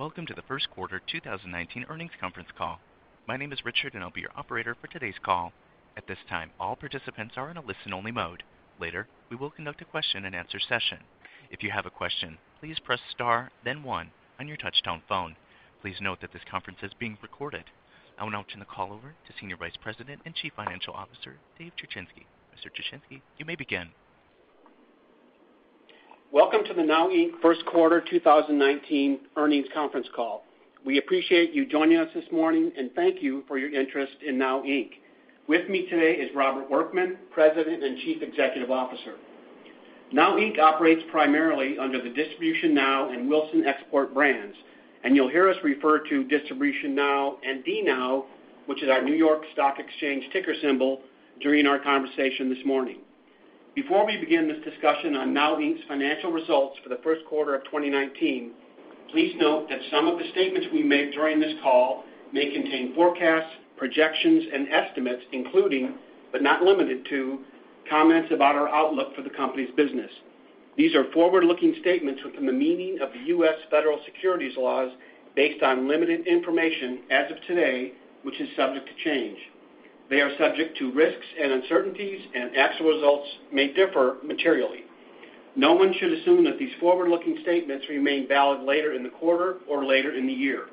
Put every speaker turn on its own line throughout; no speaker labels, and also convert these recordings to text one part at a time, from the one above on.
Welcome to the first quarter 2019 earnings conference call. My name is Richard, I'll be your operator for today's call. At this time, all participants are in a listen-only mode. Later, we will conduct a question and answer session. If you have a question, please press star then one on your touchtone phone. Please note that this conference is being recorded. I will now turn the call over to Senior Vice President and Chief Financial Officer, David Cherechinsky. Mr. Cherechinsky, you may begin.
Welcome to the NOW Inc. first quarter 2019 earnings conference call. We appreciate you joining us this morning, thank you for your interest in NOW Inc. With me today is Robert Workman, President and Chief Executive Officer. NOW Inc. operates primarily under the DistributionNOW and Wilson Export brands, you'll hear us refer to DistributionNOW and DNOW, which is our New York Stock Exchange ticker symbol, during our conversation this morning. Before we begin this discussion on NOW Inc.'s financial results for the first quarter of 2019, please note that some of the statements we make during this call may contain forecasts, projections, and estimates including, but not limited to, comments about our outlook for the company's business. These are forward-looking statements within the meaning of the U.S. federal securities laws based on limited information as of today, which is subject to change. They are subject to risks and uncertainties, actual results may differ materially. No one should assume that these forward-looking statements remain valid later in the quarter or later in the year.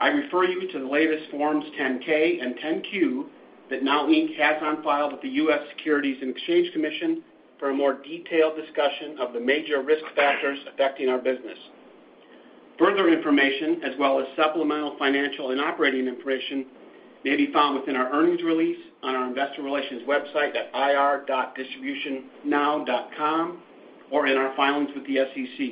I refer you to the latest Forms 10-K and 10-Q that NOW Inc. has on file with the U.S. Securities and Exchange Commission for a more detailed discussion of the major risk factors affecting our business. Further information, as well as supplemental financial and operating information, may be found within our earnings release on our investor relations website at ir.distributionnow.com or in our filings with the SEC.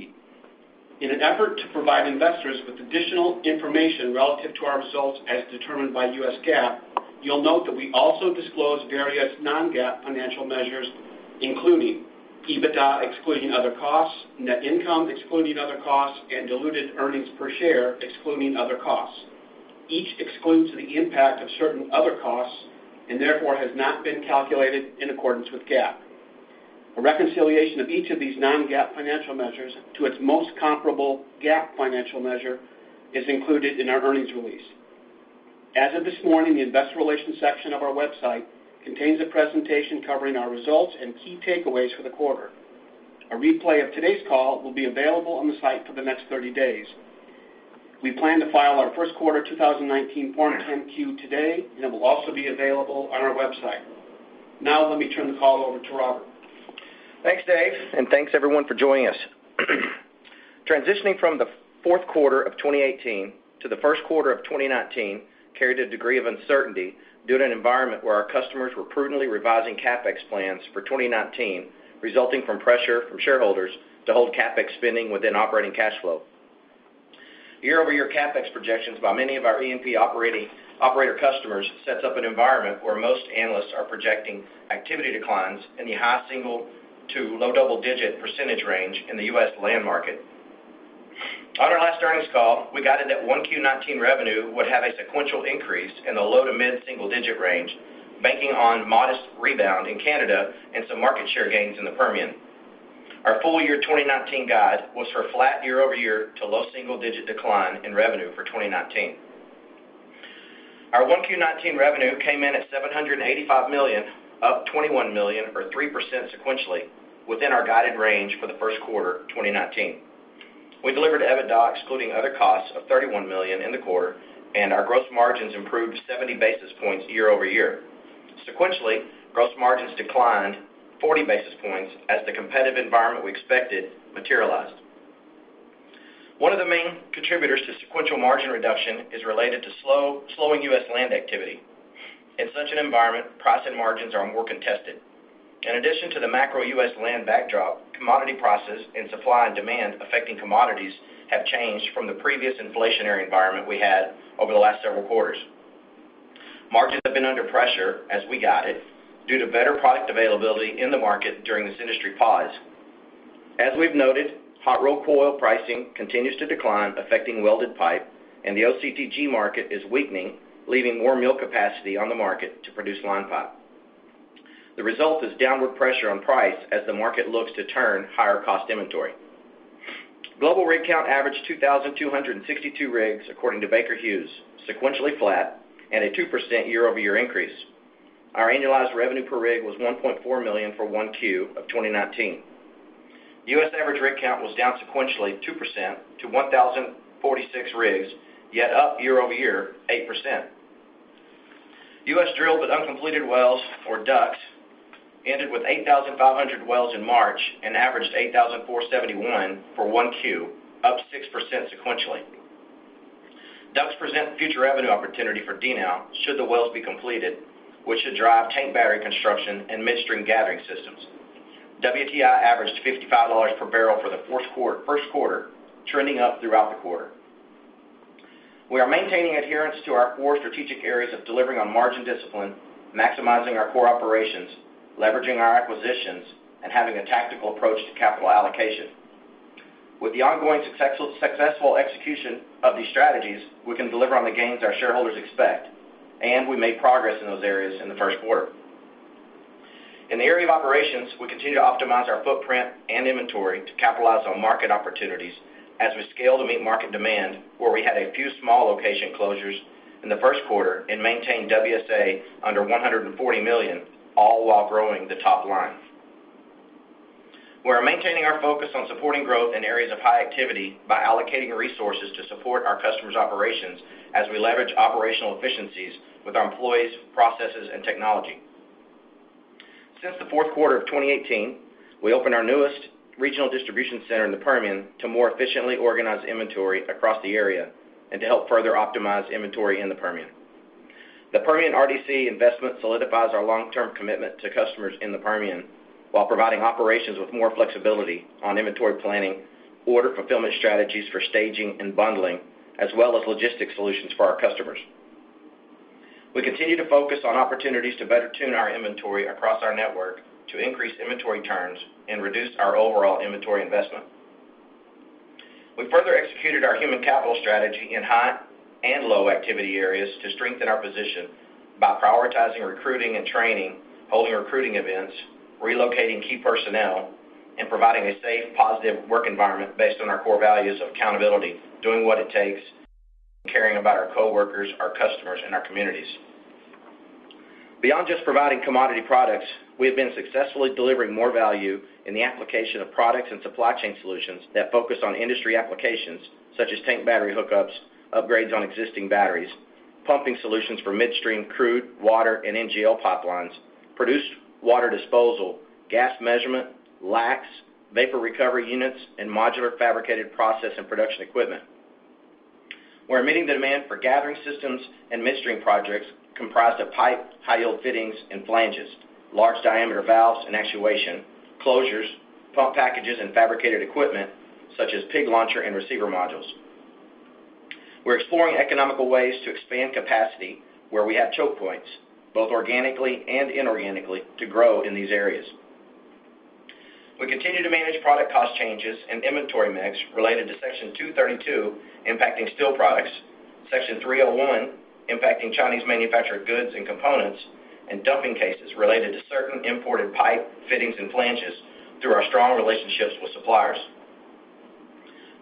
In an effort to provide investors with additional information relative to our results as determined by U.S. GAAP, you'll note that we also disclose various non-GAAP financial measures, including EBITDA excluding other costs, net income excluding other costs, and diluted earnings per share excluding other costs. Each excludes the impact of certain other costs and therefore has not been calculated in accordance with GAAP. A reconciliation of each of these non-GAAP financial measures to its most comparable GAAP financial measure is included in our earnings release. As of this morning, the investor relations section of our website contains a presentation covering our results and key takeaways for the quarter. A replay of today's call will be available on the site for the next 30 days. We plan to file our first quarter 2019 Form 10-Q today, it will also be available on our website. Now let me turn the call over to Robert.
Thanks, Dave, and thanks everyone for joining us. Transitioning from the fourth quarter of 2018 to the first quarter of 2019 carried a degree of uncertainty due to an environment where our customers were prudently revising CapEx plans for 2019, resulting from pressure from shareholders to hold CapEx spending within operating cash flow. Year-over-year CapEx projections by many of our E&P operator customers sets up an environment where most analysts are projecting activity declines in the high single to low double-digit percentage range in the U.S. land market. On our last earnings call, we guided that 1Q19 revenue would have a sequential increase in the low to mid single digit range, banking on modest rebound in Canada and some market share gains in the Permian. Our full year 2019 guide was for flat year-over-year to low single digit decline in revenue for 2019. Our 1Q19 revenue came in at $785 million, up $21 million or 3% sequentially, within our guided range for the first quarter 2019. We delivered EBITDA excluding other costs of $31 million in the quarter, and our gross margins improved 70 basis points year-over-year. Sequentially, gross margins declined 40 basis points as the competitive environment we expected materialized. One of the main contributors to sequential margin reduction is related to slowing U.S. land activity. In such an environment, price and margins are more contested. In addition to the macro U.S. land backdrop, commodity prices and supply and demand affecting commodities have changed from the previous inflationary environment we had over the last several quarters. Margins have been under pressure as we guided due to better product availability in the market during this industry pause. As we've noted, hot rolled coil pricing continues to decline, affecting welded pipe, and the OCTG market is weakening, leaving more mill capacity on the market to produce line pipe. The result is downward pressure on price as the market looks to turn higher cost inventory. Global rig count averaged 2,262 rigs according to Baker Hughes, sequentially flat and a 2% year-over-year increase. Our annualized revenue per rig was $1.4 million for 1Q of 2019. U.S. average rig count was down sequentially 2% to 1,046 rigs, yet up year-over-year 8%. U.S. drilled but uncompleted wells or DUCs ended with 8,500 wells in March and averaged 8,471 for 1Q, up 6% sequentially. DUCs present future revenue opportunity for DNOW should the wells be completed, which should drive tank battery construction and midstream gathering systems. WTI averaged $55 per barrel for the first quarter, trending up throughout the quarter. We are maintaining adherence to our core strategic areas of delivering on margin discipline, maximizing our core operations, leveraging our acquisitions, and having a tactical approach to capital allocation. With the ongoing successful execution of these strategies, we can deliver on the gains our shareholders expect, and we made progress in those areas in the first quarter. In the area of operations, we continue to optimize our footprint and inventory to capitalize on market opportunities as we scale to meet market demand, where we had a few small location closures in the first quarter and maintained WSA under $140 million, all while growing the top line. We are maintaining our focus on supporting growth in areas of high activity by allocating resources to support our customers' operations as we leverage operational efficiencies with our employees, processes, and technology. Since the fourth quarter of 2018, we opened our newest regional distribution center in the Permian to more efficiently organize inventory across the area and to help further optimize inventory in the Permian. The Permian RDC investment solidifies our long-term commitment to customers in the Permian while providing operations with more flexibility on inventory planning, order fulfillment strategies for staging and bundling, as well as logistic solutions for our customers. We continue to focus on opportunities to better tune our inventory across our network to increase inventory turns and reduce our overall inventory investment. We further executed our human capital strategy in high and low activity areas to strengthen our position by prioritizing recruiting and training, holding recruiting events, relocating key personnel, and providing a safe, positive work environment based on our core values of accountability, doing what it takes, and caring about our coworkers, our customers, and our communities. Beyond just providing commodity products, we have been successfully delivering more value in the application of products and supply chain solutions that focus on industry applications such as tank battery hookups, upgrades on existing batteries, pumping solutions for midstream crude, water, and NGL pipelines, produced water disposal, gas measurement, LACTs, vapor recovery units, and modular fabricated process and production equipment. We're meeting the demand for gathering systems and midstream projects comprised of pipe, high-yield fittings and flanges, large diameter valves and actuation, closures, pump packages and fabricated equipment such as pig launcher and receiver modules. We're exploring economical ways to expand capacity where we have choke points, both organically and inorganically, to grow in these areas. We continue to manage product cost changes and inventory mix related to Section 232 impacting steel products, Section 301 impacting Chinese manufactured goods and components, and dumping cases related to certain imported pipe, fittings, and flanges through our strong relationships with suppliers.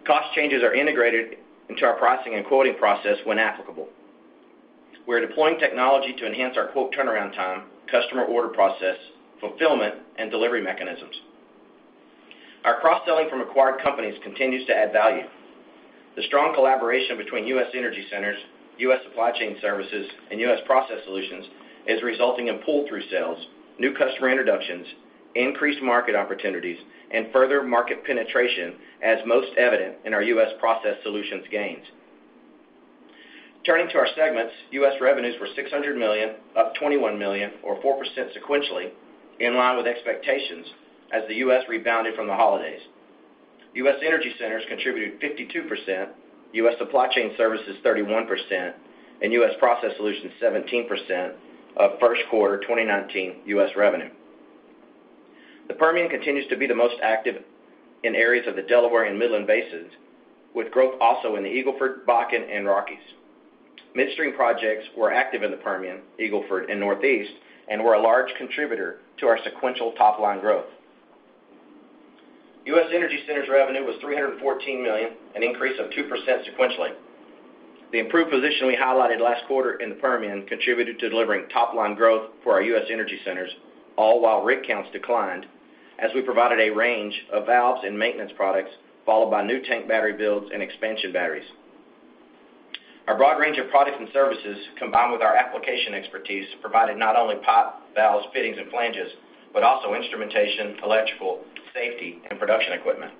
Cost changes are integrated into our pricing and quoting process when applicable. We're deploying technology to enhance our quote turnaround time, customer order process, fulfillment, and delivery mechanisms. Our cross-selling from acquired companies continues to add value. The strong collaboration between U.S. Energy Centers, U.S. Supply Chain Services, and U.S. Process Solutions is resulting in pull-through sales, new customer introductions, increased market opportunities, and further market penetration as most evident in our U.S. Process Solutions gains. Turning to our segments, U.S. revenues were $600 million, up $21 million or 4% sequentially, in line with expectations as the U.S. rebounded from the holidays. U.S. Energy Centers contributed 52%, U.S. Supply Chain Services 31%, and U.S. Process Solutions 17% of first quarter 2019 U.S. revenue. The Permian continues to be the most active in areas of the Delaware and Midland basins, with growth also in the Eagle Ford, Bakken, and Rockies. Midstream projects were active in the Permian, Eagle Ford, and Northeast and were a large contributor to our sequential top-line growth. U.S. Energy Centers revenue was $314 million, an increase of 2% sequentially. The improved position we highlighted last quarter in the Permian contributed to delivering top-line growth for our U.S. Energy Centers, all while rig counts declined as we provided a range of valves and maintenance products, followed by new tank battery builds and expansion batteries. Our broad range of products and services, combined with our application expertise, provided not only pipe, valves, fittings, and flanges, but also instrumentation, electrical, safety, and production equipment.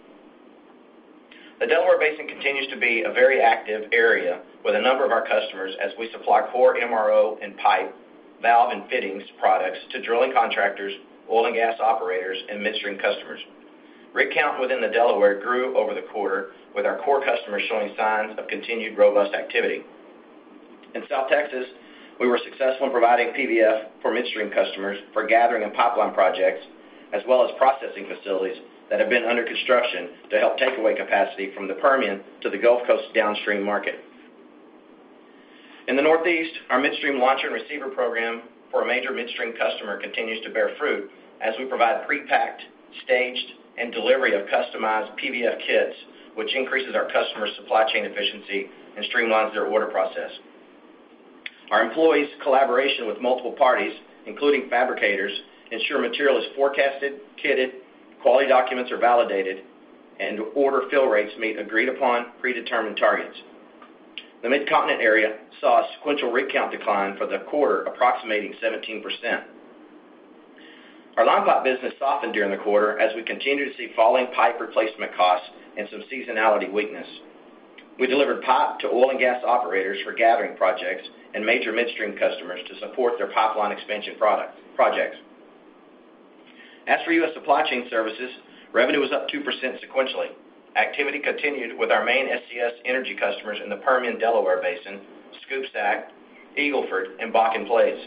The Delaware Basin continues to be a very active area with a number of our customers as we supply core MRO and pipe, valve, and fittings products to drilling contractors, oil and gas operators, and midstream customers. Rig count within the Delaware grew over the quarter with our core customers showing signs of continued robust activity. In South Texas, we were successful in providing PBF for midstream customers for gathering and pipeline projects, as well as processing facilities that have been under construction to help take away capacity from the Permian to the Gulf Coast downstream market. In the Northeast, our midstream launcher and receiver program for a major midstream customer continues to bear fruit as we provide pre-packed, staged, and delivery of customized PBF kits, which increases our customers' supply chain efficiency and streamlines their order process. Our employees' collaboration with multiple parties, including fabricators, ensure material is forecasted, kitted, quality documents are validated, and order fill rates meet agreed upon predetermined targets. The Midcontinent area saw a sequential rig count decline for the quarter approximating 17%. Our line pipe business softened during the quarter as we continue to see falling pipe replacement costs and some seasonality weakness. We delivered pipe to oil and gas operators for gathering projects and major midstream customers to support their pipeline expansion projects. As for U.S. Supply Chain Services, revenue was up 2% sequentially. Activity continued with our main SCS energy customers in the Permian Delaware Basin, Scoop, Stack, Eagle Ford, and Bakken plays.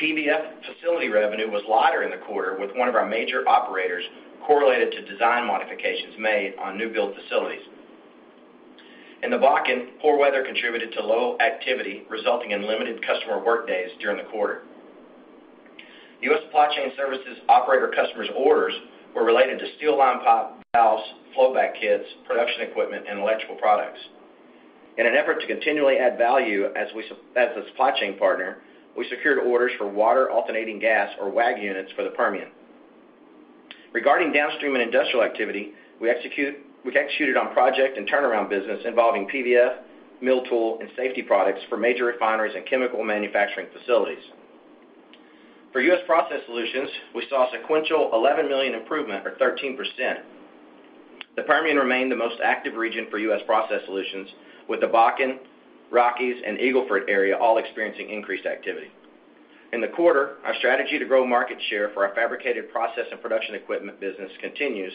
PVF facility revenue was lighter in the quarter with one of our major operators correlated to design modifications made on new build facilities. In the Bakken, poor weather contributed to low activity, resulting in limited customer workdays during the quarter. U.S. Supply Chain Services operator customers orders were related to steel line pipe, valves, flowback kits, production equipment, and electrical products. In an effort to continually add value as a supply chain partner, we secured orders for water alternating gas or WAG units for the Permian. Regarding downstream and industrial activity, we executed on project and turnaround business involving PVF, mill tool, and safety products for major refineries and chemical manufacturing facilities. For U.S. Process Solutions, we saw a sequential $11 million improvement or 13%. The Permian remained the most active region for U.S. Process Solutions, with the Bakken, Rockies, and Eagle Ford area all experiencing increased activity. In the quarter, our strategy to grow market share for our fabricated process and production equipment business continues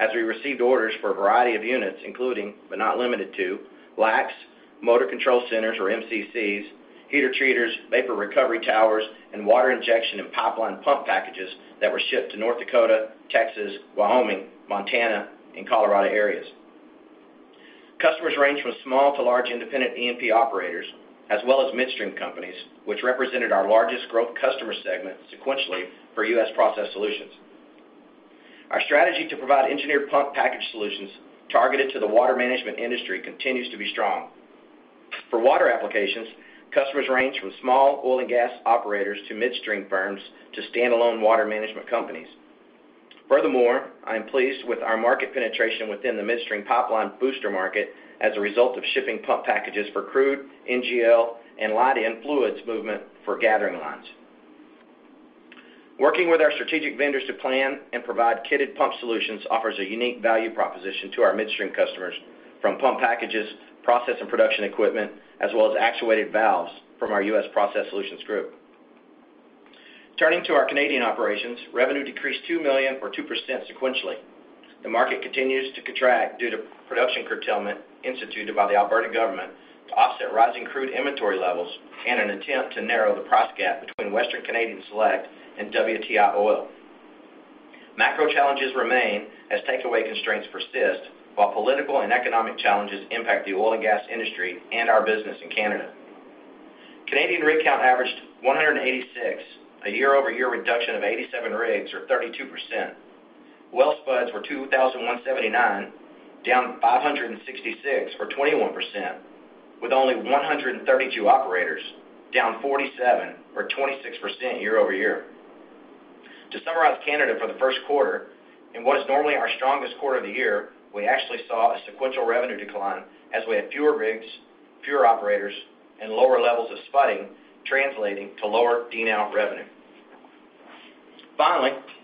as we received orders for a variety of units, including, but not limited to, LACTs, motor control centers or MCCs, heater treaters, vapor recovery units, and water injection and pipeline pump packages that were shipped to North Dakota, Texas, Wyoming, Montana, and Colorado areas. Customers range from small to large independent E&P operators, as well as midstream companies, which represented our largest growth customer segment sequentially for U.S. Process Solutions. Our strategy to provide engineered pump package solutions targeted to the water management industry continues to be strong. For water applications, customers range from small oil and gas operators to midstream firms to standalone water management companies. Furthermore, I am pleased with our market penetration within the midstream pipeline booster market as a result of shipping pump packages for crude, NGL, and light end fluids movement for gathering lines. Working with our strategic vendors to plan and provide kitted pump solutions offers a unique value proposition to our midstream customers from pump packages, process and production equipment, as well as actuated valves from our U.S. Process Solutions Group. Turning to our Canadian operations, revenue decreased $2 million or 2% sequentially. The market continues to contract due to production curtailment instituted by the Alberta government to offset rising crude inventory levels and an attempt to narrow the price gap between Western Canadian Select and WTI oil. Macro challenges remain as takeaway constraints persist, while political and economic challenges impact the oil and gas industry and our business in Canada. Canadian rig count averaged 186, a year-over-year reduction of 87 rigs or 32%. Well spuds were 2,179, down 566 or 21%, with only 132 operators, down 47 or 26% year-over-year. To summarize Canada for the first quarter, in what is normally our strongest quarter of the year, we actually saw a sequential revenue decline as we had fewer rigs, fewer operators, and lower levels of spudding translating to lower DNOW revenue.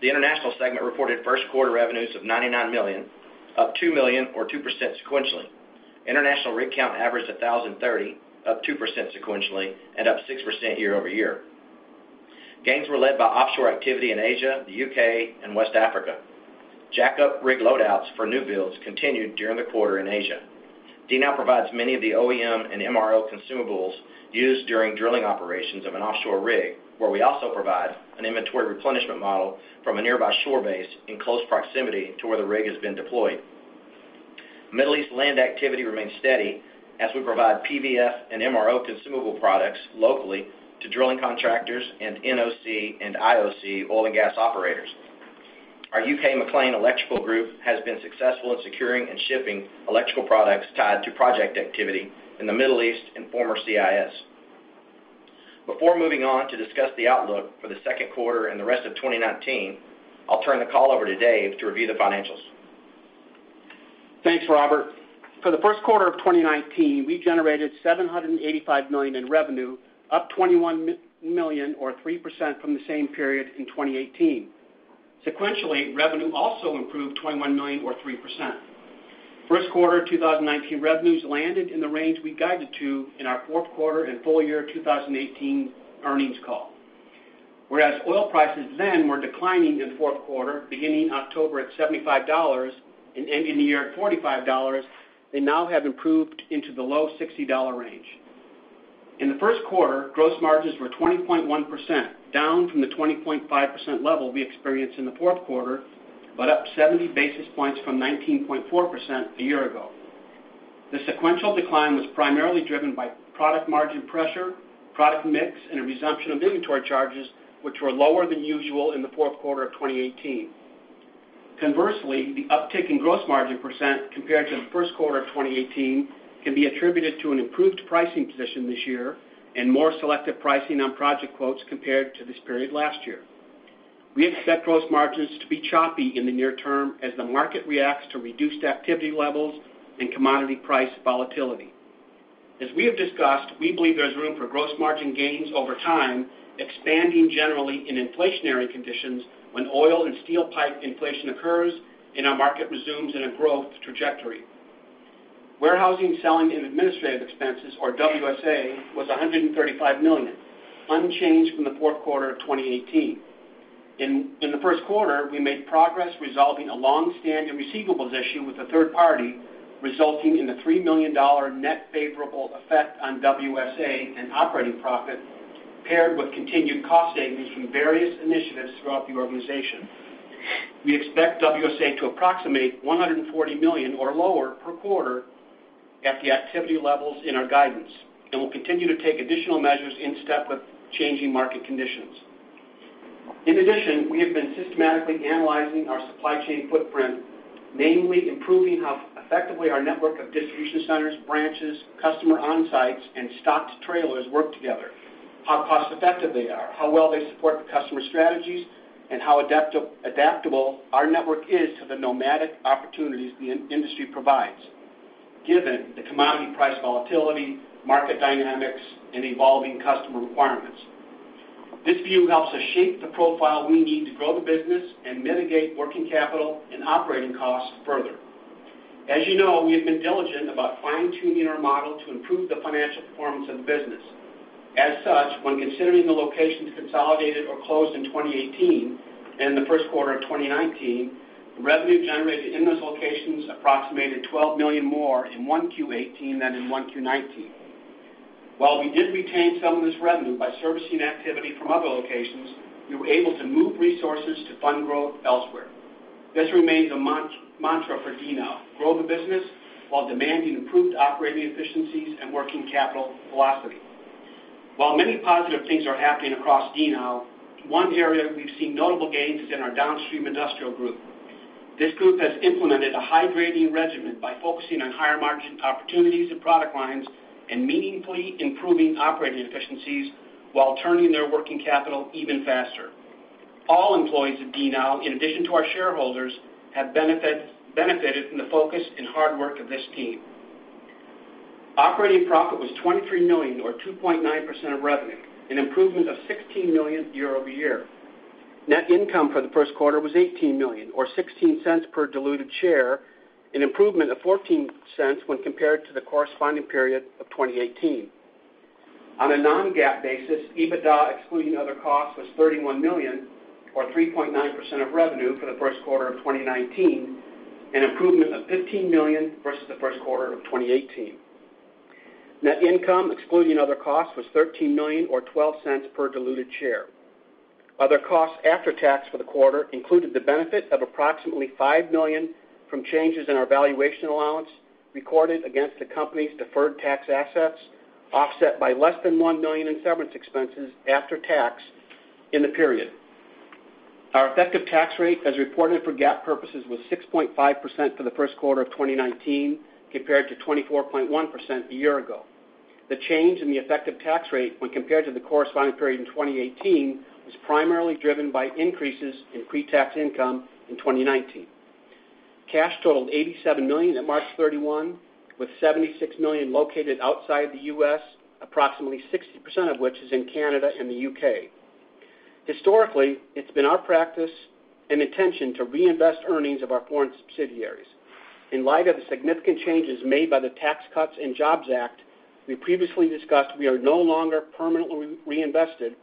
The international segment reported first quarter revenues of $99 million, up $2 million or 2% sequentially. International rig count averaged 1,030, up 2% sequentially and up 6% year-over-year. Gains were led by offshore activity in Asia, the U.K., and West Africa. Jackup rig load-outs for new builds continued during the quarter in Asia. DNOW provides many of the OEM and MRO consumables used during drilling operations of an offshore rig, where we also provide an inventory replenishment model from a nearby shore base in close proximity to where the rig has been deployed. Middle East land activity remains steady as we provide PVF and MRO consumable products locally to drilling contractors and NOC and IOC oil and gas operators. Our U.K. McLean electrical group has been successful in securing and shipping electrical products tied to project activity in the Middle East and former CIS. Moving on to discuss the outlook for the second quarter and the rest of 2019, I'll turn the call over to Dave to review the financials.
Thanks, Robert. For the first quarter of 2019, we generated $785 million in revenue, up $21 million or 3% from the same period in 2018. Revenue also improved $21 million or 3% sequentially. First quarter 2019 revenues landed in the range we guided to in our fourth quarter and full year 2018 earnings call. Oil prices then were declining in the fourth quarter beginning October at $75 and ending the year at $45, they now have improved into the low $60 range. In the first quarter, gross margins were 20.1%, down from the 20.5% level we experienced in the fourth quarter, but up 70 basis points from 19.4% a year ago. The sequential decline was primarily driven by product margin pressure, product mix, and a resumption of inventory charges, which were lower than usual in the fourth quarter of 2018. Conversely, the uptick in gross margin % compared to the first quarter of 2018 can be attributed to an improved pricing position this year and more selective pricing on project quotes compared to this period last year. We expect gross margins to be choppy in the near term as the market reacts to reduced activity levels and commodity price volatility. As we have discussed, we believe there's room for gross margin gains over time, expanding generally in inflationary conditions when oil and steel pipe inflation occurs and our market resumes in a growth trajectory. Warehousing, selling, and administrative expenses or WSA, was $135 million, unchanged from the fourth quarter of 2018. In the first quarter, we made progress resolving a longstanding receivables issue with a third party, resulting in the $3 million net favorable effect on WSA and operating profit, paired with continued cost savings from various initiatives throughout the organization. We expect WSA to approximate $140 million or lower per quarter at the activity levels in our guidance, and we'll continue to take additional measures in step with changing market conditions. In addition, we have been systematically analyzing our supply chain footprint, namely improving how effectively our network of distribution centers, branches, customer on-sites, and stocked trailers work together, how cost-effective they are, how well they support the customer strategies, and how adaptable our network is to the nomadic opportunities the industry provides, given the commodity price volatility, market dynamics, and evolving customer requirements. This view helps us shape the profile we need to grow the business and mitigate working capital and operating costs further. As you know, we have been diligent about fine-tuning our model to improve the financial performance of the business. As such, when considering the locations consolidated or closed in 2018 and the first quarter of 2019, the revenue generated in those locations approximated $12 million more in 1Q18 than in 1Q19. While we did retain some of this revenue by servicing activity from other locations, we were able to move resources to fund growth elsewhere. This remains a mantra for DNOW, grow the business while demanding improved operating efficiencies and working capital velocity. While many positive things are happening across DNOW, one area we've seen notable gains is in our downstream industrial group. This group has implemented a high-grading regimen by focusing on higher-margin opportunities and product lines and meaningfully improving operating efficiencies while turning their working capital even faster. All employees of DNOW, in addition to our shareholders, have benefited from the focus and hard work of this team. Operating profit was $23 million or 2.9% of revenue, an improvement of $16 million year-over-year. Net income for the first quarter was $18 million or $0.16 per diluted share, an improvement of $0.14 when compared to the corresponding period of 2018. On a non-GAAP basis, EBITDA excluding other costs was $31 million or 3.9% of revenue for the first quarter of 2019, an improvement of $15 million versus the first quarter of 2018. Net income excluding other costs was $13 million or $0.12 per diluted share. Other costs after tax for the quarter included the benefit of approximately $5 million from changes in our valuation allowance recorded against the company's deferred tax assets, offset by less than $1 million in severance expenses after tax in the period. Our effective tax rate, as reported for GAAP purposes, was 6.5% for the first quarter of 2019 compared to 24.1% a year ago. The change in the effective tax rate when compared to the corresponding period in 2018 was primarily driven by increases in pre-tax income in 2019. Cash totaled $87 million at March 31, with $76 million located outside the U.S., approximately 60% of which is in Canada and the U.K. Historically, it's been our practice and intention to reinvest earnings of our foreign subsidiaries. In light of the significant changes made by the Tax Cuts and Jobs Act we previously discussed, we are no longer permanently reinvested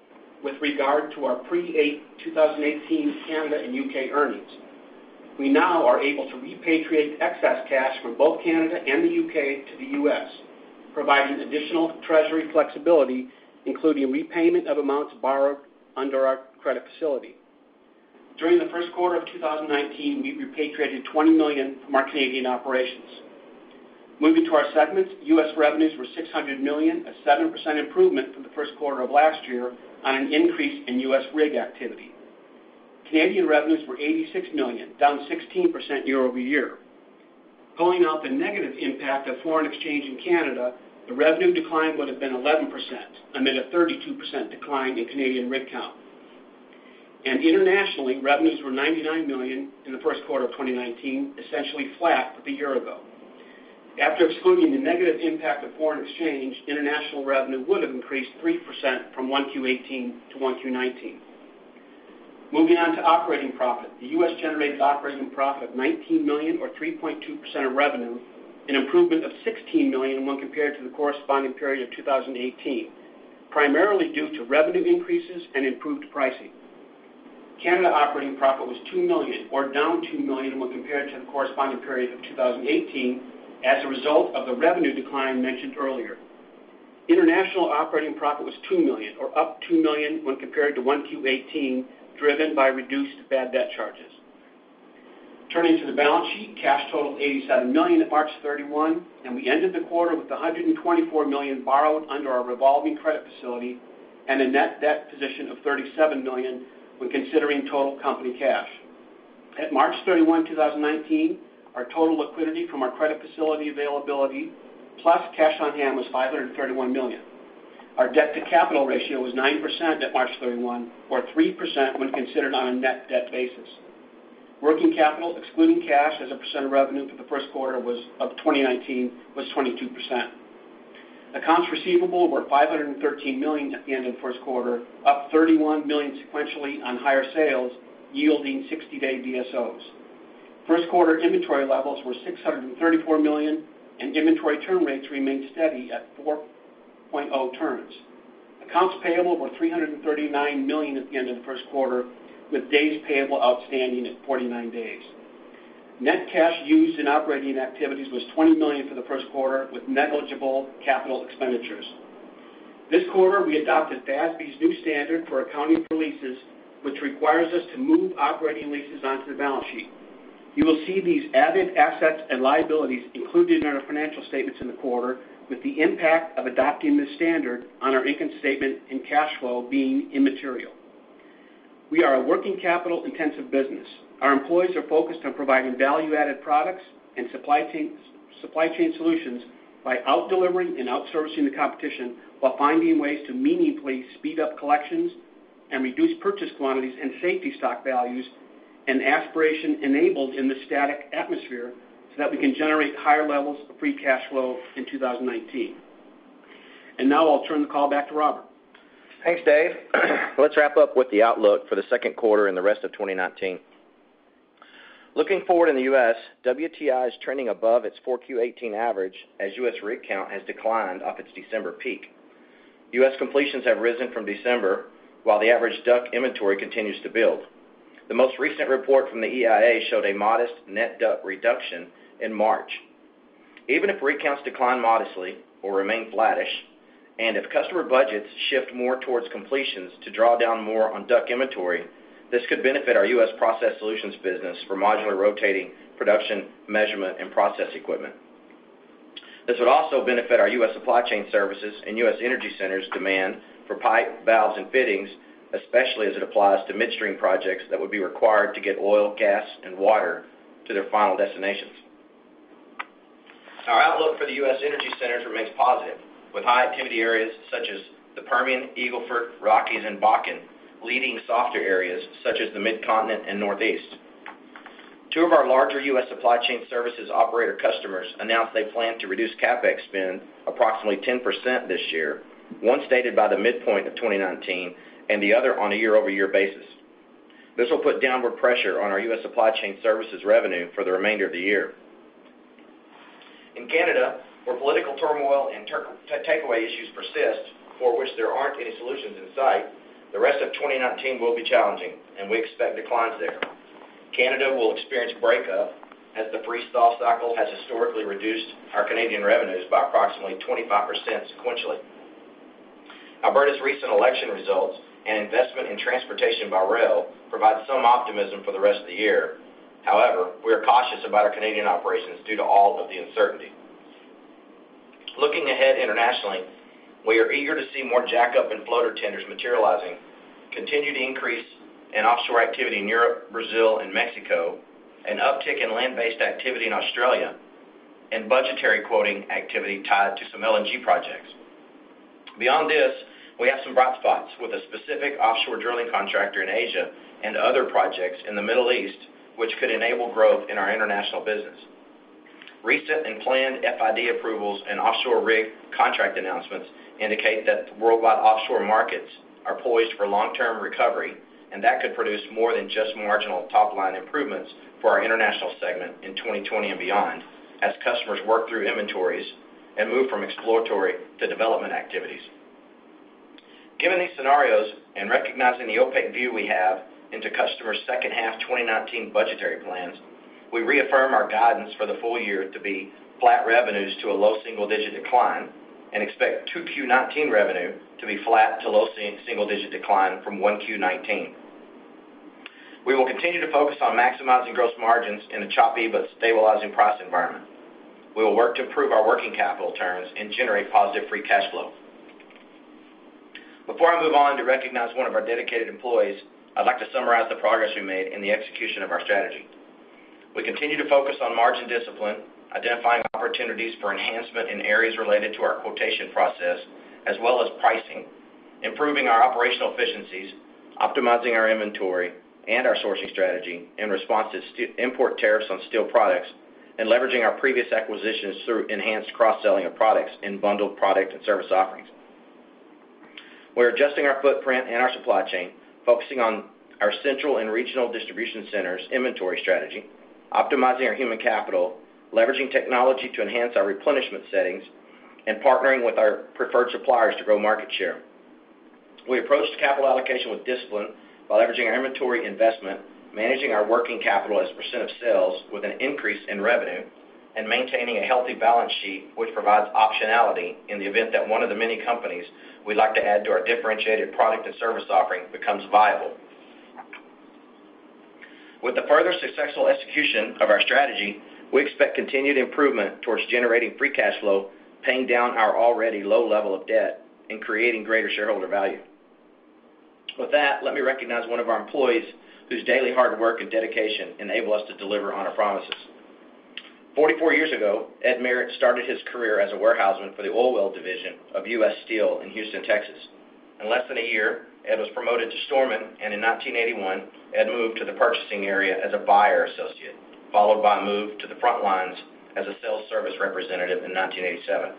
with regard to our pre-2018 Canada and U.K. earnings. We now are able to repatriate excess cash from both Canada and the U.K. to the U.S., providing additional treasury flexibility, including repayment of amounts borrowed under our credit facility. During the first quarter of 2019, we repatriated $20 million from our Canadian operations. Moving to our segments, U.S. revenues were $600 million, a 7% improvement from the first quarter of last year on an increase in U.S. rig activity. Canadian revenues were $86 million, down 16% year-over-year. Going off the negative impact of foreign exchange in Canada, the revenue decline would have been 11% amid a 32% decline in Canadian rig count. Internationally, revenues were $99 million in the first quarter of 2019, essentially flat with a year ago. After excluding the negative impact of foreign exchange, international revenue would have increased 3% from 1Q18 to 1Q19. Moving on to operating profit. The U.S. generated operating profit $19 million or 3.2% of revenue, an improvement of $16 million when compared to the corresponding period of 2018, primarily due to revenue increases and improved pricing. Canada operating profit was $2 million or down $2 million when compared to the corresponding period of 2018 as a result of the revenue decline mentioned earlier. International operating profit was $2 million or up $2 million when compared to 1Q18, driven by reduced bad debt charges. Turning to the balance sheet, cash totaled $87 million at March 31, and we ended the quarter with $124 million borrowed under our revolving credit facility and a net debt position of $37 million when considering total company cash. At March 31, 2019, our total liquidity from our credit facility availability plus cash on hand was $531 million. Our debt-to-capital ratio was 9% at March 31, or 3% when considered on a net debt basis. Working capital excluding cash as a percent of revenue for the first quarter of 2019 was 22%. Accounts receivable were $513 million at the end of the first quarter, up $31 million sequentially on higher sales, yielding 60-day DSOs. First quarter inventory levels were $634 million, and inventory turn rates remained steady at 4.0 turns. Accounts payable were $339 million at the end of the first quarter, with days payable outstanding at 49 days. Net cash used in operating activities was $20 million for the first quarter, with negligible capital expenditures. This quarter, we adopted FASB's new standard for accounting for leases, which requires us to move operating leases onto the balance sheet. You will see these added assets and liabilities included in our financial statements in the quarter, with the impact of adopting this standard on our income statement and cash flow being immaterial. We are a working capital-intensive business. Our employees are focused on providing value-added products and supply chain solutions by out-delivering and out-servicing the competition while finding ways to meaningfully speed up collections and reduce purchase quantities and safety stock values and aspiration enabled in the static atmosphere so that we can generate higher levels of free cash flow in 2019. Now I'll turn the call back to Robert.
Thanks, Dave. Let's wrap up with the outlook for the second quarter and the rest of 2019. Looking forward in the U.S., WTI is trending above its 4Q18 average as U.S. rig count has declined off its December peak. U.S. completions have risen from December, while the average DUC inventory continues to build. The most recent report from the EIA showed a modest net DUC reduction in March. Even if rig counts decline modestly or remain flattish, and if customer budgets shift more towards completions to draw down more on DUC inventory, this could benefit our U.S. Process Solutions business for modular rotating production, measurement, and process equipment. This would also benefit our U.S. Supply Chain Services and U.S. Energy Centers' demand for pipe, valves, and fittings, especially as it applies to midstream projects that would be required to get oil, gas, and water to their final destinations. Our outlook for the U.S. Energy Centers remains positive, with high activity areas such as the Permian, Eagle Ford, Rockies, and Bakken leading softer areas such as the Mid-Continent and Northeast. Two of our larger U.S. Supply Chain Services operator customers announced they plan to reduce CapEx spend approximately 10% this year, one stated by the midpoint of 2019 and the other on a year-over-year basis. This will put downward pressure on our U.S. Supply Chain Services revenue for the remainder of the year. In Canada, where political turmoil and takeaway issues persist, for which there aren't any solutions in sight, the rest of 2019 will be challenging, and we expect declines there. Canada will experience breakup as the freeze-thaw cycle has historically reduced our Canadian revenues by approximately 25% sequentially. Alberta's recent election results and investment in transportation by rail provide some optimism for the rest of the year. However, we are cautious about our Canadian operations due to all of the uncertainty. Looking ahead internationally, we are eager to see more jack-up and floater tenders materializing, continued increase in offshore activity in Europe, Brazil, and Mexico, an uptick in land-based activity in Australia, and budgetary quoting activity tied to some LNG projects. Beyond this, we have some bright spots with a specific offshore drilling contractor in Asia and other projects in the Middle East, which could enable growth in our international business. Recent and planned FID approvals and offshore rig contract announcements indicate that worldwide offshore markets are poised for long-term recovery, and that could produce more than just marginal top-line improvements for our international segment in 2020 and beyond as customers work through inventories and move from exploratory to development activities. Given these scenarios, recognizing the opaque view we have into customers' second half 2019 budgetary plans, we reaffirm our guidance for the full year to be flat revenues to a low single-digit decline and expect 2Q19 revenue to be flat to low single-digit decline from 1Q19. We will continue to focus on maximizing gross margins in a choppy but stabilizing price environment. We will work to improve our working capital terms and generate positive free cash flow. Before I move on to recognize one of our dedicated employees, I'd like to summarize the progress we made in the execution of our strategy. We continue to focus on margin discipline, identifying opportunities for enhancement in areas related to our quotation process, as well as pricing, improving our operational efficiencies, optimizing our inventory and our sourcing strategy in response to import tariffs on steel products, leveraging our previous acquisitions through enhanced cross-selling of products and bundled product and service offerings. We're adjusting our footprint and our supply chain, focusing on our central and regional distribution centers' inventory strategy, optimizing our human capital, leveraging technology to enhance our replenishment settings, partnering with our preferred suppliers to grow market share. We approach capital allocation with discipline while leveraging our inventory investment, managing our working capital as a % of sales with an increase in revenue, maintaining a healthy balance sheet, which provides optionality in the event that one of the many companies we'd like to add to our differentiated product and service offering becomes viable. With the further successful execution of our strategy, we expect continued improvement towards generating free cash flow, paying down our already low level of debt, creating greater shareholder value. With that, let me recognize one of our employees whose daily hard work and dedication enable us to deliver on our promises. 44 years ago, Ed Merritt started his career as a warehouseman for the Oilwell division of U.S. Steel in Houston, Texas. In less than a year, Ed was promoted to storeman, in 1981, Ed moved to the purchasing area as a buyer associate, followed by a move to the front lines as a sales service representative in 1987.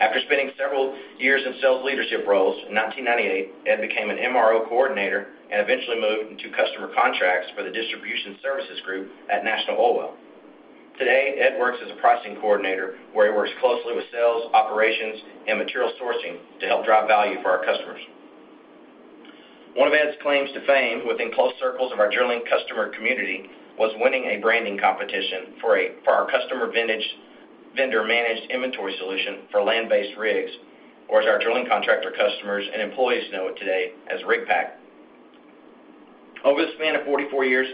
After spending several years in sales leadership roles, in 1998, Ed became an MRO coordinator and eventually moved into customer contracts for the distribution services group at National Oilwell. Today, Ed works as a pricing coordinator, where he works closely with sales, operations, and material sourcing to help drive value for our customers. One of Ed's claims to fame within close circles of our drilling customer community was winning a branding competition for our customer vintage vendor-managed inventory solution for land-based rigs, or as our drilling contractor customers and employees know it today as Rig Pack. Over the span of 44 years,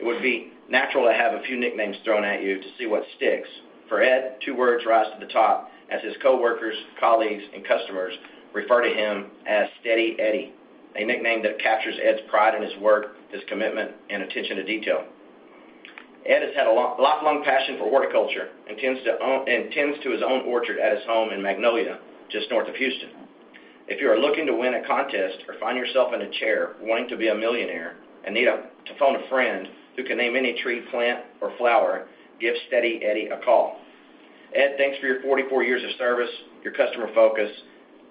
it would be natural to have a few nicknames thrown at you to see what sticks. For Ed, two words rise to the top as his coworkers, colleagues, and customers refer to him as Steady Eddie, a nickname that captures Ed's pride in his work, his commitment, and attention to detail. Ed has had a lifelong passion for horticulture and tends to his own orchard at his home in Magnolia, just north of Houston. If you are looking to win a contest or find yourself in a chair wanting to be a millionaire and need to phone a friend who can name any tree, plant, or flower, give Steady Eddie a call. Ed, thanks for your 44 years of service, your customer focus,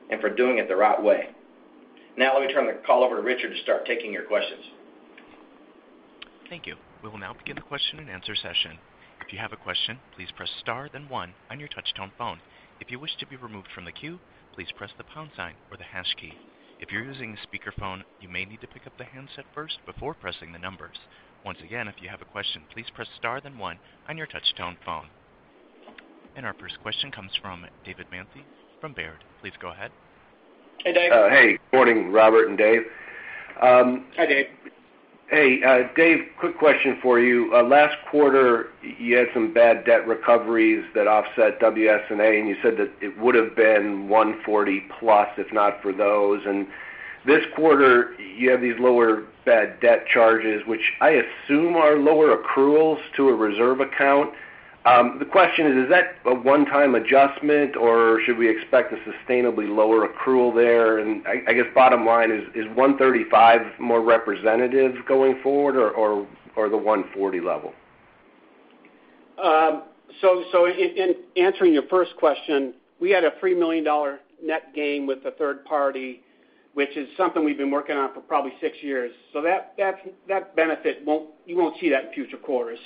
and for doing it the right way. Let me turn the call over to Richard to start taking your questions.
Thank you. We will now begin the question and answer session. If you have a question, please press star then one on your touch-tone phone. If you wish to be removed from the queue, please press the pound sign or the hash key. If you're using a speakerphone, you may need to pick up the handset first before pressing the numbers. Once again, if you have a question, please press star then one on your touch-tone phone. Our first question comes from David Manthey from Baird. Please go ahead.
Hey, Dave.
Hey. Morning, Robert and Dave.
Hi, Dave.
Hey, Dave, quick question for you. Last quarter, you had some bad debt recoveries that offset WOS, and you said that it would have been $140+ if not for those. This quarter, you have these lower bad debt charges, which I assume are lower accruals to a reserve account. The question is that a one-time adjustment, or should we expect a sustainably lower accrual there? I guess bottom line is $135 more representative going forward or the $140 level?
In answering your first question, we had a $3 million net gain with the third party, which is something we've been working on for probably six years. That benefit, you won't see that in future quarters.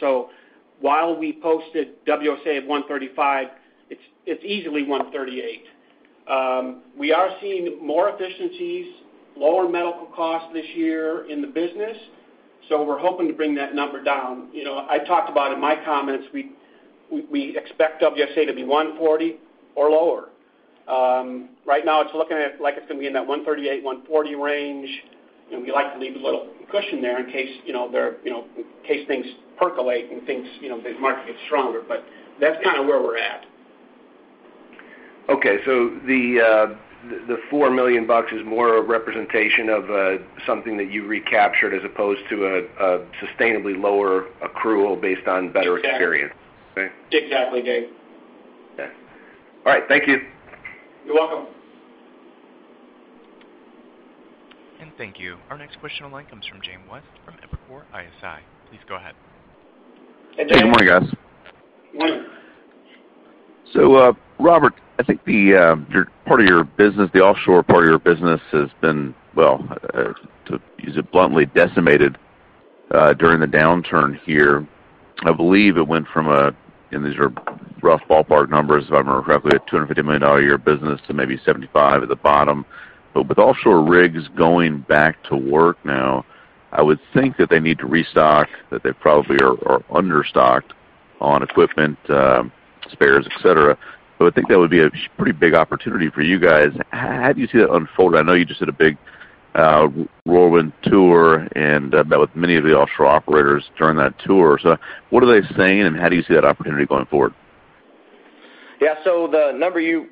While we posted WOS at $135, it's easily $138. We are seeing more efficiencies, lower medical costs this year in the business, so we're hoping to bring that number down. I talked about in my comments, we expect WOS to be $140 or lower. Right now it's looking like it's going to be in that $138-$140 range. We like to leave a little cushion there in case things percolate and the market gets stronger. That's kind of where we're at.
Okay. The $4 million is more a representation of something that you recaptured as opposed to a sustainably lower accrual based on better experience.
Exactly.
Okay.
Exactly, Dave.
Okay. All right, thank you.
You're welcome.
Thank you. Our next question on line comes from James West from Evercore ISI. Please go ahead.
Hey, James.
Good morning, guys.
Morning.
Robert, I think part of your business, the offshore part of your business has been, well, to use it bluntly, decimated during the downturn here. I believe it went from a, and these are rough ballpark numbers if I remember correctly, a $250 million a year business to maybe $75 million at the bottom. With offshore rigs going back to work now, I would think that they need to restock, that they probably are under stocked on equipment, spares, et cetera. I think that would be a pretty big opportunity for you guys. How do you see that unfolding? I know you just did a big whirlwind tour and met with many of the offshore operators during that tour. What are they saying and how do you see that opportunity going forward?
Yeah. The number you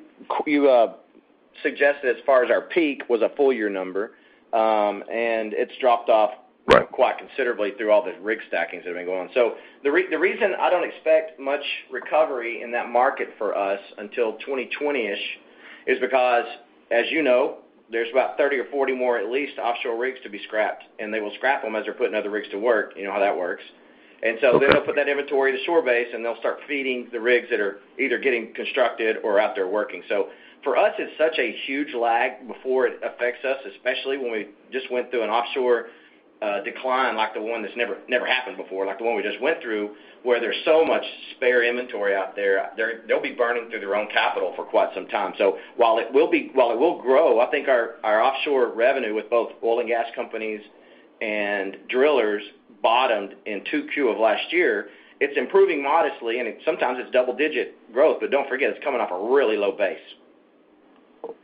suggested as far as our peak was a full year number, and it's dropped off.
Right
quite considerably through all the rig stackings that have been going on. The reason I don't expect much recovery in that market for us until 2020-ish is because, as you know, there's about 30 or 40 more, at least, offshore rigs to be scrapped, and they will scrap them as they're putting other rigs to work. You know how that works.
Okay.
They'll put that inventory to shore base, and they'll start feeding the rigs that are either getting constructed or out there working. For us, it's such a huge lag before it affects us, especially when we just went through an offshore decline like the one that's never happened before, like the one we just went through, where there's so much spare inventory out there. They'll be burning through their own capital for quite some time. While it will grow, I think our offshore revenue with both oil and gas companies and drillers bottomed in 2Q of last year. It's improving modestly, and sometimes it's double digit growth. Don't forget, it's coming off a really low base.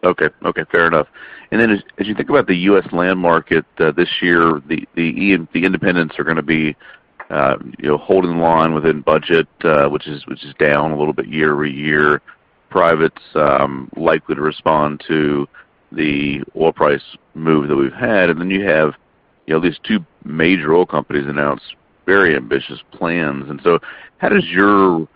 Okay. Fair enough. As you think about the U.S. land market this year, the independents are going to be holding the line within budget, which is down a little bit year-over-year. Privates likely to respond to the oil price move that we've had. You have these two major oil companies announce very ambitious plans. How does your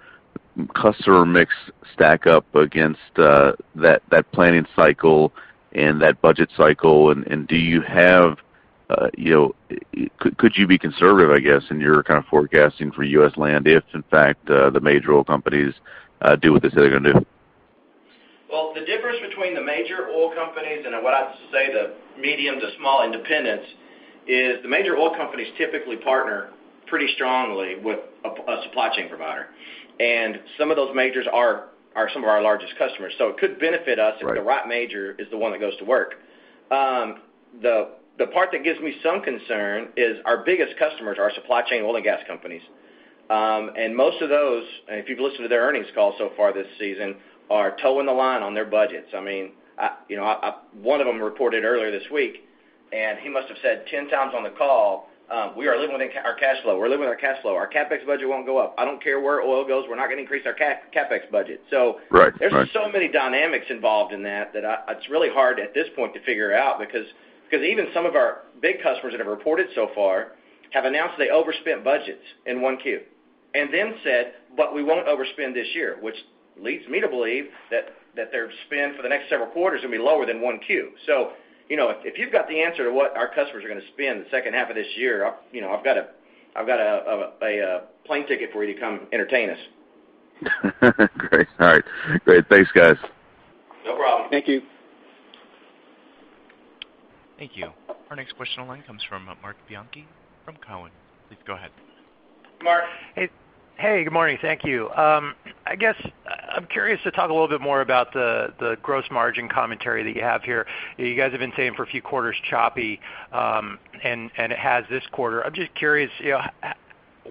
customer mix stack up against that planning cycle and that budget cycle? Could you be conservative, I guess, in your kind of forecasting for U.S. land if, in fact, the major oil companies do what they say they're gonna do?
Well, the difference between the major oil companies and what I'd say the medium to small independents is the major oil companies typically partner pretty strongly with a supply chain provider. Some of those majors are some of our largest customers. It could benefit us.
Right
if the right major is the one that goes to work. The part that gives me some concern is our biggest customers are supply chain oil and gas companies. Most of those, if you've listened to their earnings call so far this season, are toeing the line on their budgets. One of them reported earlier this week, and he must have said 10 times on the call, "We are living within our cash flow. We're living with our cash flow. Our CapEx budget won't go up. I don't care where oil goes, we're not going to increase our CapEx budget.
Right.
There's so many dynamics involved in that it's really hard at this point to figure out because even some of our big customers that have reported so far have announced they overspent budgets in 1Q, and then said, "But we won't overspend this year," which leads me to believe that their spend for the next several quarters will be lower than 1Q. If you've got the answer to what our customers are going to spend the second half of this year, I've got a plane ticket for you to come entertain us.
Great. All right. Great. Thanks, guys.
No problem.
Thank you. Thank you. Our next question on the line comes from Marc Bianchi from Cowen. Please go ahead.
Marc.
Hey, good morning. Thank you. I guess, I'm curious to talk a little bit more about the gross margin commentary that you have here. You guys have been saying for a few quarters, choppy, and it has this quarter. I'm just curious,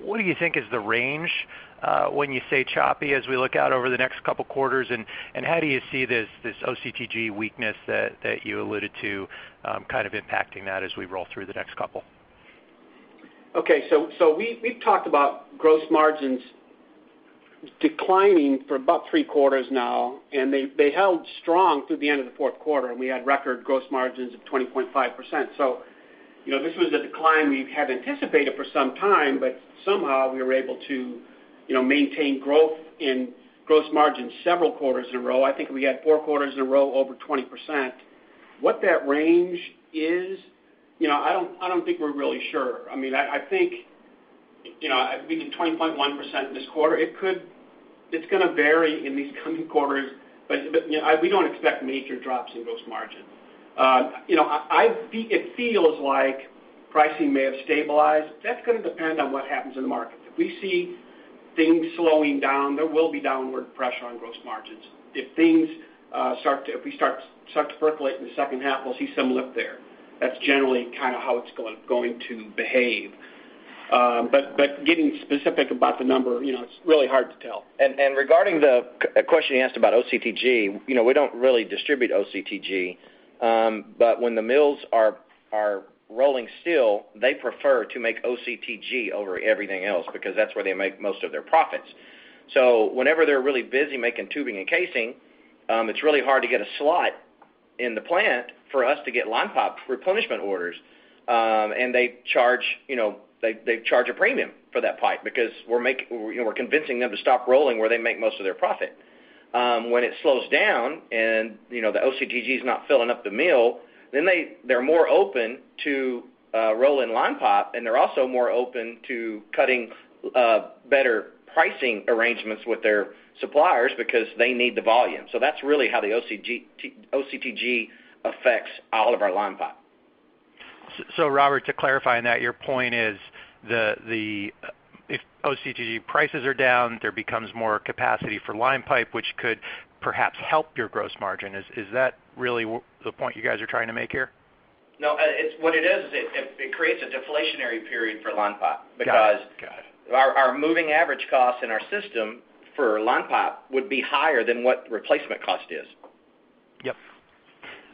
what do you think is the range, when you say choppy as we look out over the next couple quarters, and how do you see this OCTG weakness that you alluded to kind of impacting that as we roll through the next couple?
Okay, we've talked about gross margins declining for about three quarters now, and they held strong through the end of the fourth quarter, and we had record gross margins of 20.5%. This was a decline we had anticipated for some time, but somehow we were able to maintain growth in gross margin several quarters in a row. I think we had four quarters in a row over 20%. What that range is, I don't think we're really sure. I think, being at 20.1% this quarter, it's gonna vary in these coming quarters, but we don't expect major drops in gross margin. It feels like pricing may have stabilized. That's gonna depend on what happens in the market. If we see things slowing down, there will be downward pressure on gross margins. If things start to percolate in the second half, we'll see some lift there. That's generally kind of how it's going to behave. Getting specific about the number, it's really hard to tell. Regarding the question you asked about OCTG, we don't really distribute OCTG. When the mills are rolling still, they prefer to make OCTG over everything else because that's where they make most of their profits. Whenever they're really busy making tubing and casing, it's really hard to get a slot in the plant for us to get line pipe replenishment orders. They charge a premium for that pipe because we're convincing them to stop rolling where they make most of their profit. When it slows down and the OCTG is not filling up the mill, then they're more open to rolling line pipe, and they're also more open to cutting better pricing arrangements with their suppliers because they need the volume. That's really how the OCTG affects all of our line pipe.
Robert, to clarify on that, your point is if OCTG prices are down, there becomes more capacity for line pipe, which could perhaps help your gross margin. Is that really the point you guys are trying to make here?
No. What it is, it creates a deflationary period for line pipe.
Got it.
Our moving average cost in our system for line pipe would be higher than what replacement cost is.
Yep.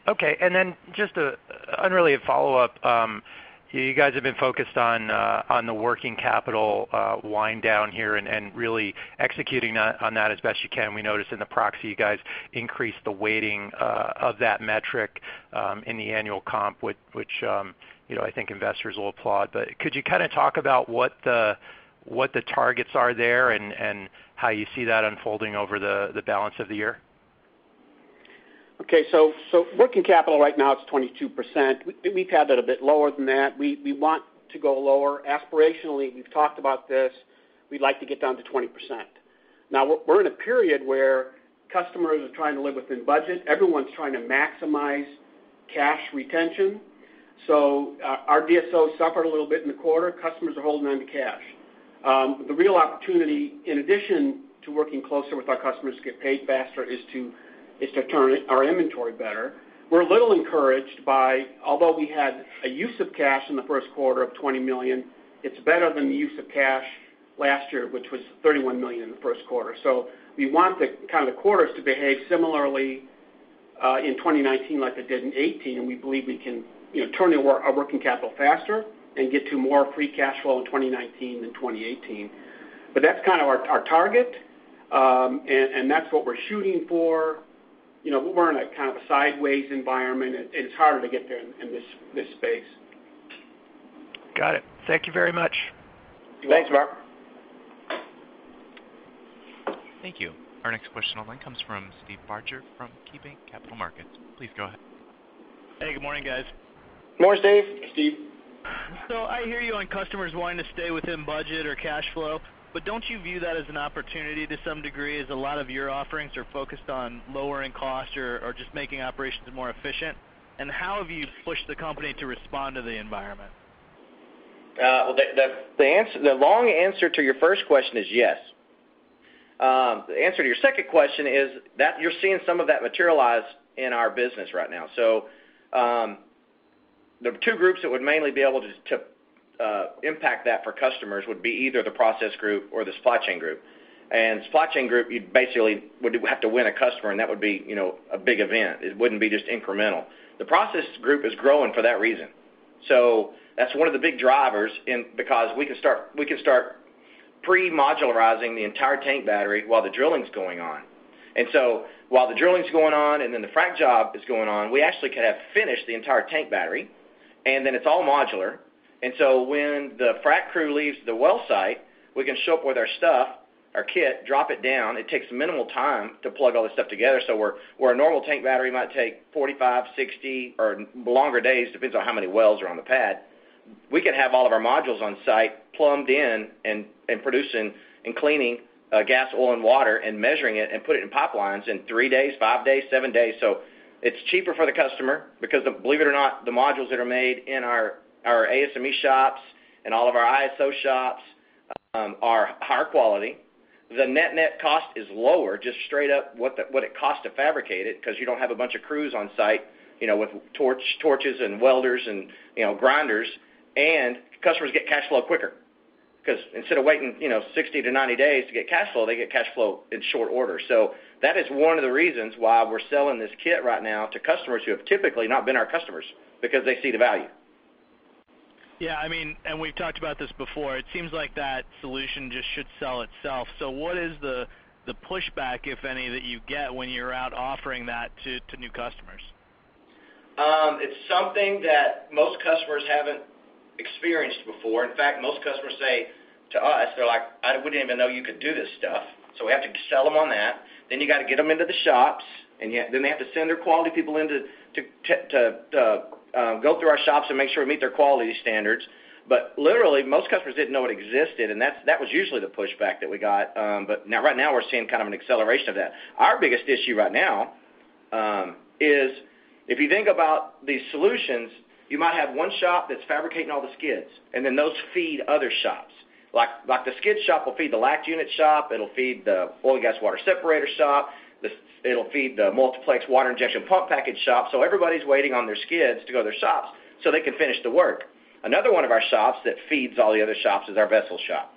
Okay. Just really a follow-up. You guys have been focused on the working capital wind down here and really executing on that as best you can. We noticed in the proxy you guys increased the weighting of that metric in the annual comp, which I think investors will applaud. Could you kind of talk about what the targets are there and how you see that unfolding over the balance of the year?
Okay. Working capital right now, it's 22%. We've had that a bit lower than that. We want to go lower. Aspirationally, we've talked about this, we'd like to get down to 20%. We're in a period where customers are trying to live within budget. Everyone's trying to maximize cash retention. Our DSO suffered a little bit in the quarter. Customers are holding onto cash. The real opportunity, in addition to working closer with our customers to get paid faster, is to turn our inventory better. We're a little encouraged by, although we had a use of cash in the first quarter of $20 million, it's better than the use of cash last year, which was $31 million in the first quarter. We want the kind of quarters to behave similarly in 2019 like it did in 2018. We believe we can turn our working capital faster and get to more free cash flow in 2019 than 2018. That's kind of our target, and that's what we're shooting for. We're in a kind of a sideways environment, and it's harder to get there in this space.
Got it. Thank you very much.
Thanks, Marc.
Thank you. Our next question on the line comes from Steve Barger from KeyBanc Capital Markets. Please go ahead.
Hey, good morning, guys.
Good morning, Steve.
Hey, Steve.
I hear you on customers wanting to stay within budget or cash flow, but don't you view that as an opportunity to some degree, as a lot of your offerings are focused on lowering costs or just making operations more efficient? How have you pushed the company to respond to the environment?
The long answer to your first question is yes. The answer to your second question is that you're seeing some of that materialize in our business right now. The two groups that would mainly be able to impact that for customers would be either the process group or the supply chain group. Supply chain group, you basically would have to win a customer, and that would be a big event. It wouldn't be just incremental. The process group is growing for that reason. That's one of the big drivers because we can start pre-modularizing the entire tank battery while the drilling's going on. While the drilling's going on and then the frac job is going on, we actually could have finished the entire tank battery, and then it's all modular. When the frac crew leaves the well site, we can show up with our stuff, our kit, drop it down. It takes minimal time to plug all this stuff together. Where a normal tank battery might take 45, 60 or longer days, depends on how many wells are on the pad, we could have all of our modules on site plumbed in and producing and cleaning gas, oil, and water and measuring it and put it in pipelines in three days, five days, seven days. It's cheaper for the customer because believe it or not, the modules that are made in our ASME shops and all of our ISO shops are higher quality. The net cost is lower, just straight up what it costs to fabricate it, because you don't have a bunch of crews on site with torches and welders and grinders. Customers get cash flow quicker because instead of waiting 60-90 days to get cash flow, they get cash flow in short order. That is one of the reasons why we're selling this kit right now to customers who have typically not been our customers, because they see the value.
Yeah. We've talked about this before. It seems like that solution just should sell itself. What is the pushback, if any, that you get when you're out offering that to new customers?
It's something that most customers haven't experienced before. In fact, most customers say to us, they're like, "I wouldn't even know you could do this stuff." We have to sell them on that. You got to get them into the shops, and then they have to send their quality people in to go through our shops and make sure we meet their quality standards. Literally, most customers didn't know it existed, and that was usually the pushback that we got. Right now we're seeing kind of an acceleration of that. Our biggest issue right now is if you think about these solutions, you might have one shop that's fabricating all the skids, and then those feed other shops. The skid shop will feed the LACT unit shop, it'll feed the oil and gas water separator shop, it'll feed the multiplex water injection pump package shop. Everybody's waiting on their skids to go to their shops so they can finish the work. Another one of our shops that feeds all the other shops is our vessel shop,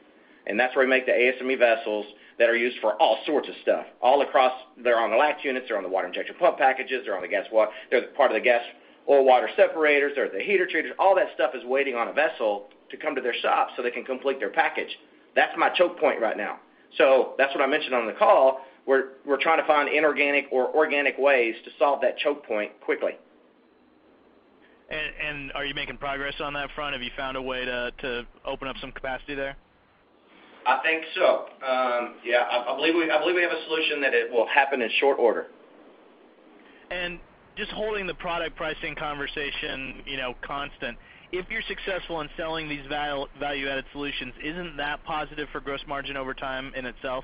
and that's where we make the ASME vessels that are used for all sorts of stuff, all across. They're on the LACT units, they're on the water injection pump packages, they're part of the gas oil water separators. They're the heater treaters. All that stuff is waiting on a vessel to come to their shop so they can complete their package. That's my choke point right now. That's what I mentioned on the call. We're trying to find inorganic or organic ways to solve that choke point quickly.
Are you making progress on that front? Have you found a way to open up some capacity there?
I think so. Yeah, I believe we have a solution that it will happen in short order.
Just holding the product pricing conversation constant, if you're successful in selling these value-added solutions, isn't that positive for gross margin over time in itself?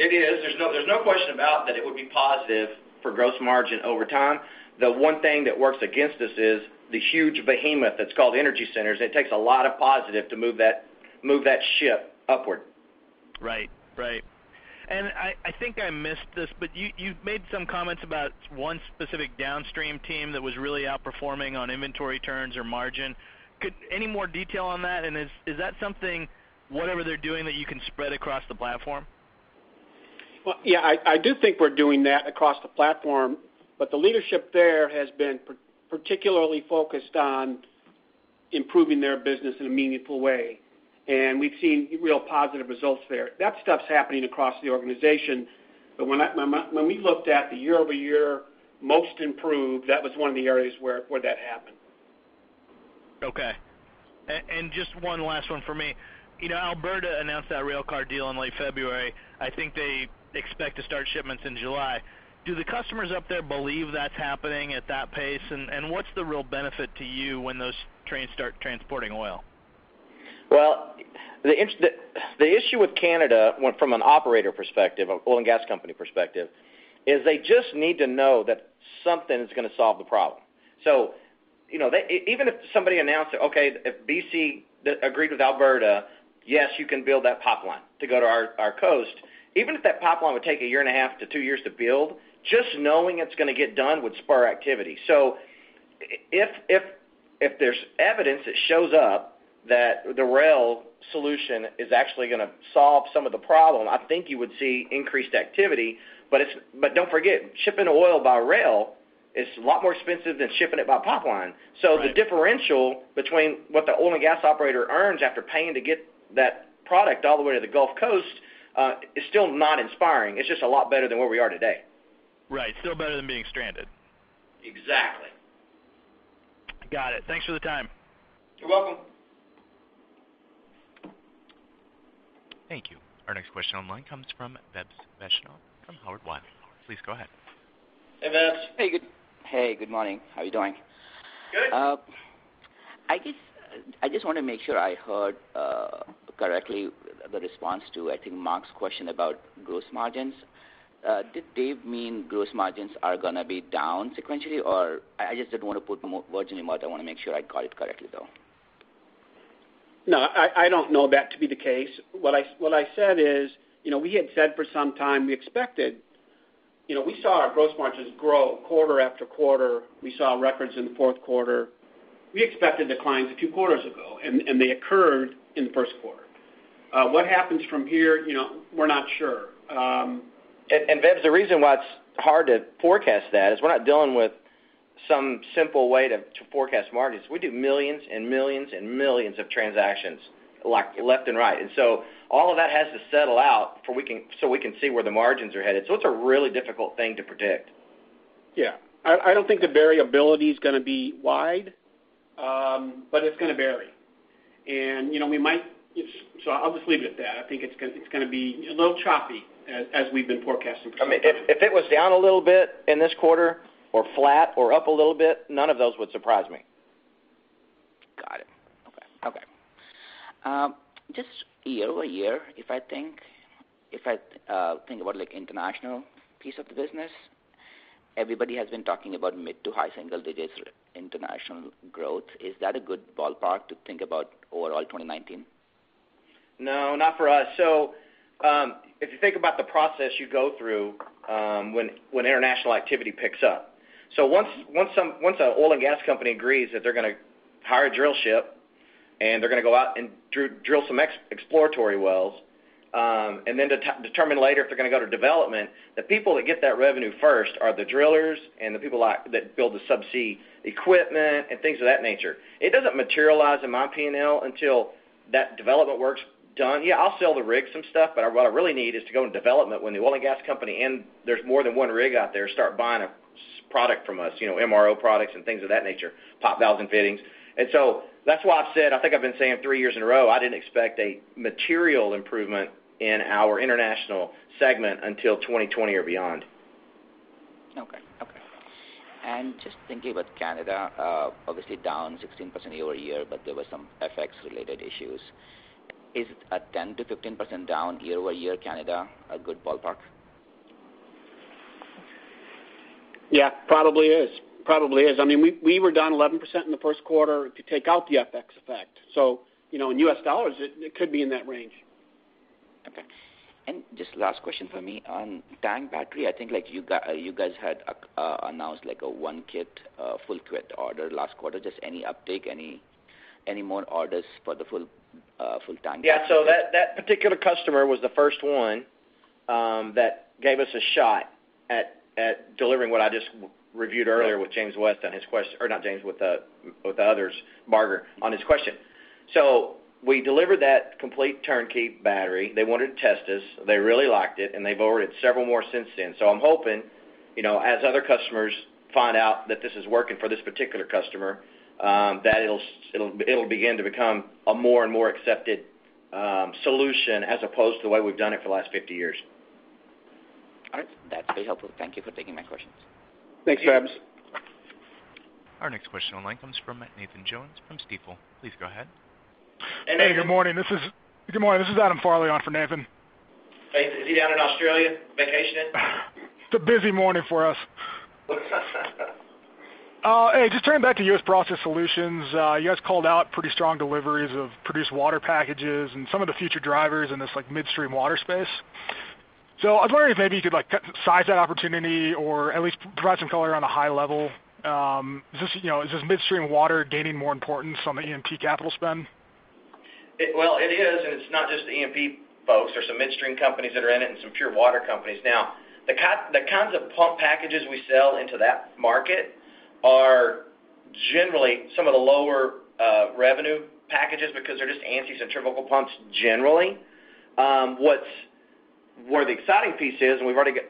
It is. There's no question about that it would be positive for gross margin over time. The one thing that works against us is the huge behemoth that's called Energy Centers. It takes a lot of positive to move that ship upward.
Right. I think I missed this, you made some comments about one specific downstream team that was really outperforming on inventory turns or margin. Any more detail on that, is that something, whatever they're doing, that you can spread across the platform?
Well, yeah, I do think we're doing that across the platform, the leadership there has been particularly focused on improving their business in a meaningful way, and we've seen real positive results there. That stuff's happening across the organization. When we looked at the year-over-year most improved, that was one of the areas where that happened.
Just one last one for me. Alberta announced that rail car deal in late February. I think they expect to start shipments in July. Do the customers up there believe that's happening at that pace? What's the real benefit to you when those trains start transporting oil?
Well, the issue with Canada from an operator perspective, oil and gas company perspective, is they just need to know that something's going to solve the problem. Even if somebody announced that, okay, if BC agreed with Alberta, yes, you can build that pipeline to go to our coast. Even if that pipeline would take a year and a half to two years to build, just knowing it's going to get done would spur activity. If there's evidence that shows up that the rail solution is actually going to solve some of the problem, I think you would see increased activity. Don't forget, shipping oil by rail is a lot more expensive than shipping it by pipeline.
Right.
The differential between what the oil and gas operator earns after paying to get that product all the way to the Gulf Coast is still not inspiring. It's just a lot better than where we are today.
Right. Still better than being stranded.
Exactly. Got it. Thanks for the time.
You're welcome.
Thank you. Our next question online comes from Vaibhav Vaishnav from Howard Weil. Please go ahead.
Hey, Vebs.
Hey, good morning. How are you doing?
Good.
I just want to make sure I heard correctly the response to, I think, Marc's question about gross margins. Did Dave mean gross margins are going to be down sequentially? I just didn't want to put words in your mouth. I want to make sure I got it correctly, though.
No, I don't know that to be the case. What I said is, we had said for some time we saw our gross margins grow quarter after quarter. We saw records in the fourth quarter. We expected declines two quarters ago. They occurred in the first quarter. What happens from here, we're not sure.
Vebs, the reason why it's hard to forecast that is we're not dealing with some simple way to forecast margins. We do millions of transactions left and right. All of that has to settle out so we can see where the margins are headed. It's a really difficult thing to predict.
Yeah. I don't think the variability is going to be wide, but it's going to vary. I'll just leave it at that. I think it's going to be a little choppy as we've been forecasting for some time.
If it was down a little bit in this quarter or flat or up a little bit, none of those would surprise me.
Got it. Okay. Just year-over-year, if I think about international piece of the business, everybody has been talking about mid to high single digits international growth. Is that a good ballpark to think about overall 2019?
No, not for us. If you think about the process you go through when international activity picks up. Once a oil and gas company agrees that they're going to hire a drill ship and they're going to go out and drill some exploratory wells, and then determine later if they're going to go to development, the people that get that revenue first are the drillers and the people that build the subsea equipment and things of that nature. It doesn't materialize in my P&L until that development work's done. Yeah, I'll sell the rig some stuff, but what I really need is to go into development when the oil and gas company, and there's more than one rig out there, start buying a product from us, MRO products and things of that nature, pop valves and fittings. That's why I've said, I think I've been saying three years in a row, I didn't expect a material improvement in our international segment until 2020 or beyond.
Okay. Just thinking about Canada, obviously down 16% year-over-year, there were some FX related issues. Is a 10%-15% down year-over-year Canada, a good ballpark?
Yeah, probably is. We were down 11% in the first quarter to take out the FX effect. In U.S. dollars, it could be in that range.
Okay. Just last question for me. On tank battery, I think you guys had announced a one kit full kit order last quarter. Just any uptake, any more orders for the full tank?
That particular customer was the first one that gave us a shot at delivering what I just reviewed earlier with James West on his question, or not James, with the others, Margaret, on his question. We delivered that complete turnkey battery. They wanted to test us. They really liked it, and they've ordered several more since then. I'm hoping, as other customers find out that this is working for this particular customer, that it'll begin to become a more and more accepted solution as opposed to the way we've done it for the last 50 years.
All right. That's very helpful. Thank you for taking my questions.
Thanks, Vebs.
Our next question online comes from Nathan Jones from Stifel. Please go ahead.
Hey, Nathan.
Hey, good morning. This is Adam Farley on for Nathan.
Is he down in Australia vacationing?
It's a busy morning for us. Hey, just turning back to U.S. Process Solutions. You guys called out pretty strong deliveries of produced water packages and some of the future drivers in this midstream water space. I was wondering if maybe you could size that opportunity or at least provide some color on the high level. Is this midstream water gaining more importance on the E&P capital spend?
It is, and it's not just the E&P folks. There's some midstream companies that are in it and some pure water companies. The kinds of pump packages we sell into that market are generally some of the lower revenue packages because they're just anti centrifugal pumps generally. Where the exciting piece is, and we've already got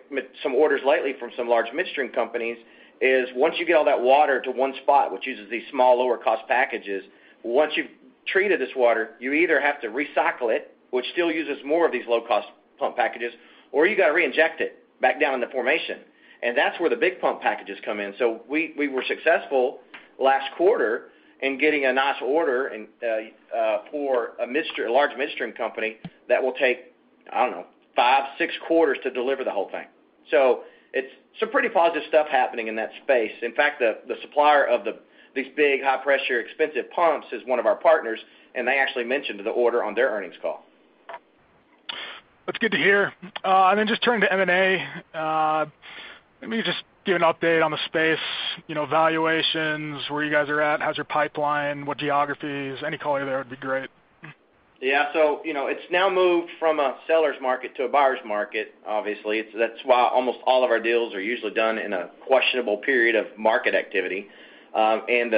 some orders lately from some large midstream companies, is once you get all that water to one spot, which uses these small, lower cost packages, once you've treated this water, you either have to recycle it, which still uses more of these low-cost pump packages, or you got to reinject it back down in the formation. That's where the big pump packages come in. We were successful last quarter in getting a nice order for a large midstream company that will take, I don't know, five, six quarters to deliver the whole thing. It's some pretty positive stuff happening in that space. In fact, the supplier of these big, high pressure, expensive pumps is one of our partners, and they actually mentioned the order on their earnings call.
That's good to hear. Just turning to M&A, let me just give an update on the space, valuations, where you guys are at, how's your pipeline, what geographies. Any color there would be great.
It's now moved from a seller's market to a buyer's market, obviously. That's why almost all of our deals are usually done in a questionable period of market activity. The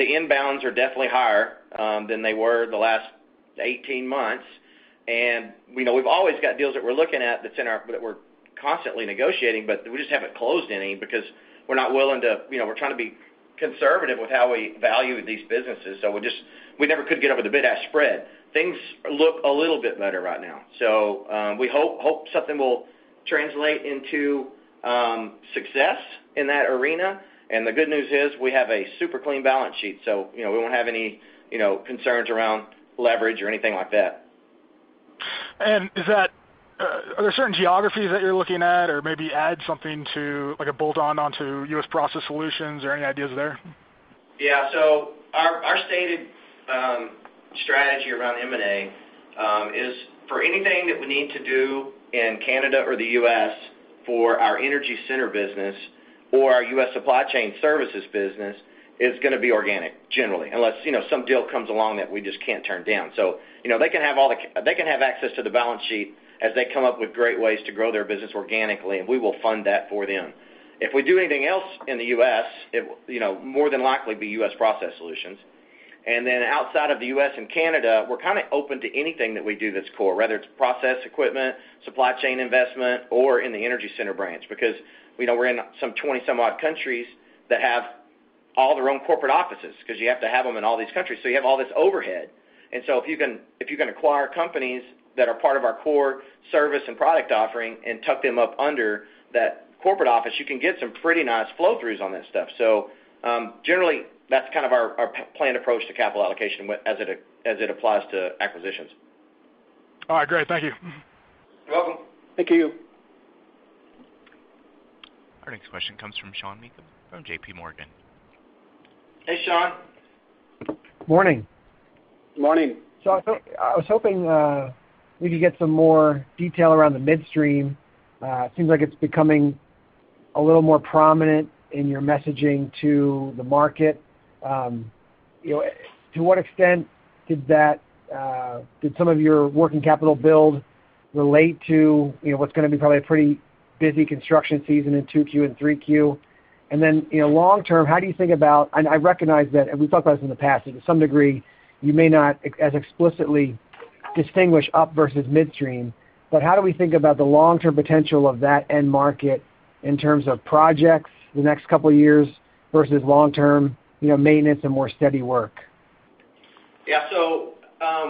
inbounds are definitely higher than they were the last 18 months. We've always got deals that we're looking at, that we're constantly negotiating, but we just haven't closed any because we're trying to be conservative with how we value these businesses, so we never could get over the bid-ask spread. Things look a little bit better right now. We hope something will translate into success in that arena. The good news is we have a super clean balance sheet. We won't have any concerns around leverage or anything like that.
Are there certain geographies that you're looking at, or maybe add something to like a bolt-on onto U.S. Process Solutions, or any ideas there?
Our stated strategy around M&A is for anything that we need to do in Canada or the U.S. for our energy center business or our U.S. Supply Chain Services business is going to be organic, generally, unless some deal comes along that we just can't turn down. They can have access to the balance sheet as they come up with great ways to grow their business organically, and we will fund that for them. If we do anything else in the U.S., it will more than likely be U.S. Process Solutions. Outside of the U.S. and Canada, we're kind of open to anything that we do that's core, whether it's process equipment, supply chain investment, or in the energy center branch. We're in some 20-some-odd countries that have all their own corporate offices, because you have to have them in all these countries. You have all this overhead. If you can acquire companies that are part of our core service and product offering and tuck them up under that corporate office, you can get some pretty nice flow-throughs on that stuff. Generally, that's kind of our planned approach to capital allocation as it applies to acquisitions.
All right, great. Thank you.
You're welcome.
Thank you.
Our next question comes from Sean Meakim from JPMorgan.
Hey, Sean.
Morning.
Morning.
I was hoping we could get some more detail around the midstream. Seems like it's becoming a little more prominent in your messaging to the market. To what extent did some of your working capital build relate to what's going to be probably a pretty busy construction season in 2Q and 3Q? Long term, how do you think about, and I recognize that, and we've talked about this in the past, that to some degree, you may not as explicitly distinguish up versus midstream, but how do we think about the long-term potential of that end market in terms of projects the next couple of years versus long-term maintenance and more steady work?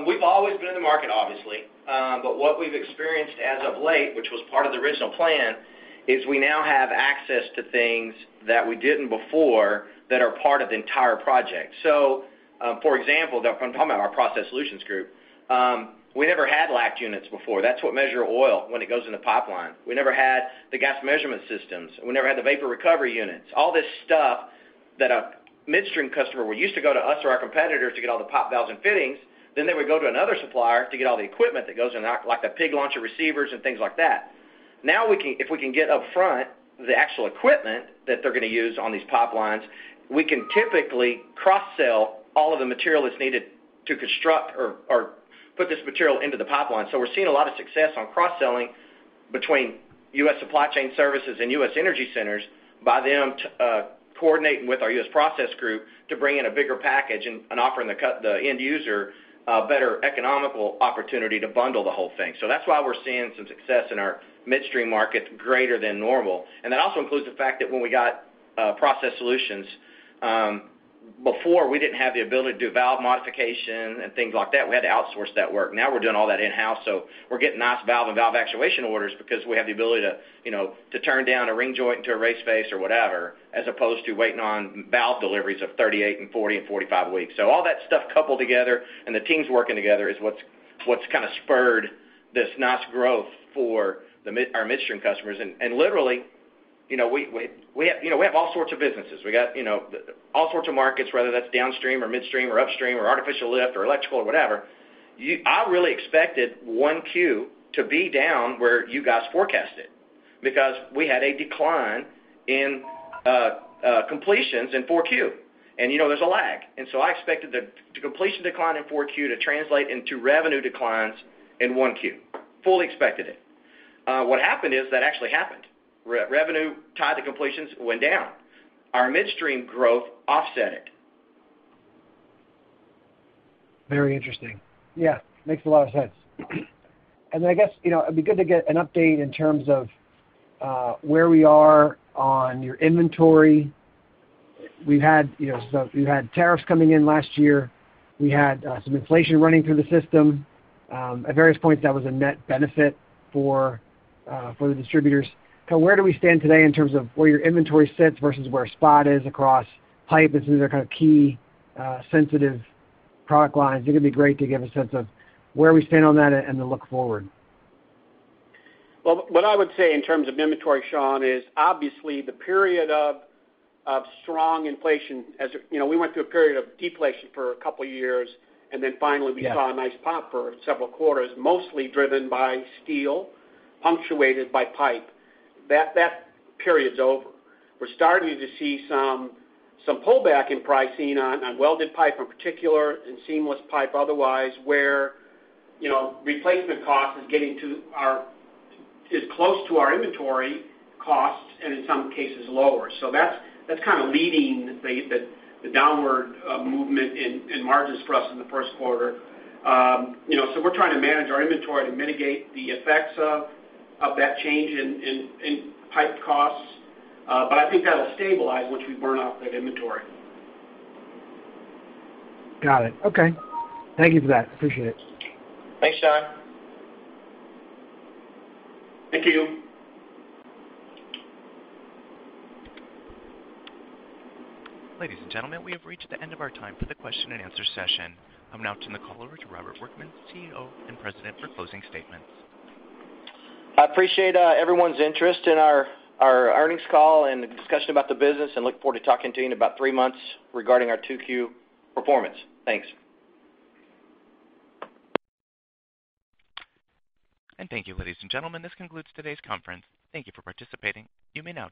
We've always been in the market, obviously. What we've experienced as of late, which was part of the original plan, is we now have access to things that we didn't before that are part of the entire project. For example, when I'm talking about our U.S. Process Solutions group, we never had LACT units before. That's what measure oil when it goes in the pipeline. We never had the gas measurement systems. We never had the vapor recovery units. All this stuff that a midstream customer would use to go to us or our competitors to get all the pop valves and fittings, then they would go to another supplier to get all the equipment that goes in, like the pig launcher receivers and things like that. If we can get up front the actual equipment that they're going to use on these pipelines, we can typically cross-sell all of the material that's needed to construct or put this material into the pipeline. We're seeing a lot of success on cross-selling between U.S. Supply Chain Services and U.S. Energy Centers by them coordinating with our U.S. Process group to bring in a bigger package and offering the end user a better economical opportunity to bundle the whole thing. That's why we're seeing some success in our midstream market greater than normal. That also includes the fact that when we got U.S. Process Solutions, before we didn't have the ability to do valve modification and things like that. We had to outsource that work. We're doing all that in-house, so we're getting nice valve and valve actuation orders because we have the ability to turn down a ring joint into a raise face, or whatever, as opposed to waiting on valve deliveries of 38 and 40 and 45 weeks. All that stuff coupled together and the teams working together is what's kind of spurred this nice growth for our midstream customers. Literally, we have all sorts of businesses. We got all sorts of markets, whether that's downstream or midstream or upstream or artificial lift or electrical or whatever. I really expected 1Q to be down where you guys forecasted because we had a decline in completions in 4Q, and there's a lag. I expected the completion decline in 4Q to translate into revenue declines in 1Q. Fully expected it. What happened is that actually happened. Revenue tied to completions went down. Our midstream growth offset it.
Very interesting. Yeah. Makes a lot of sense. I guess it'd be good to get an update in terms of where we are on your inventory. You had tariffs coming in last year. We had some inflation running through the system. At various points, that was a net benefit for the distributors. Where do we stand today in terms of where your inventory sits versus where spot is across pipe and some of the kind of key sensitive product lines? It'd be great to give a sense of where we stand on that and the look forward.
Well, what I would say in terms of inventory, Sean, is obviously the period of strong inflation as we went through a period of deflation for a couple of years, then finally we saw a nice pop for several quarters, mostly driven by steel, punctuated by pipe. That period's over. We're starting to see some pullback in pricing on welded pipe in particular, and seamless pipe otherwise, where replacement cost is close to our inventory costs, and in some cases lower. That's kind of leading the downward movement in margins for us in the first quarter. We're trying to manage our inventory to mitigate the effects of that change in pipe costs. I think that'll stabilize once we burn off that inventory.
Got it. Okay. Thank you for that. Appreciate it.
Thanks, Sean.
Thank you.
Ladies and gentlemen, we have reached the end of our time for the question and answer session. I'll now turn the call over to Robert Workman, CEO and President, for closing statements.
I appreciate everyone's interest in our earnings call and the discussion about the business. Look forward to talking to you in about three months regarding our 2Q performance. Thanks.
Thank you, ladies and gentlemen. This concludes today's conference. Thank you for participating. You may now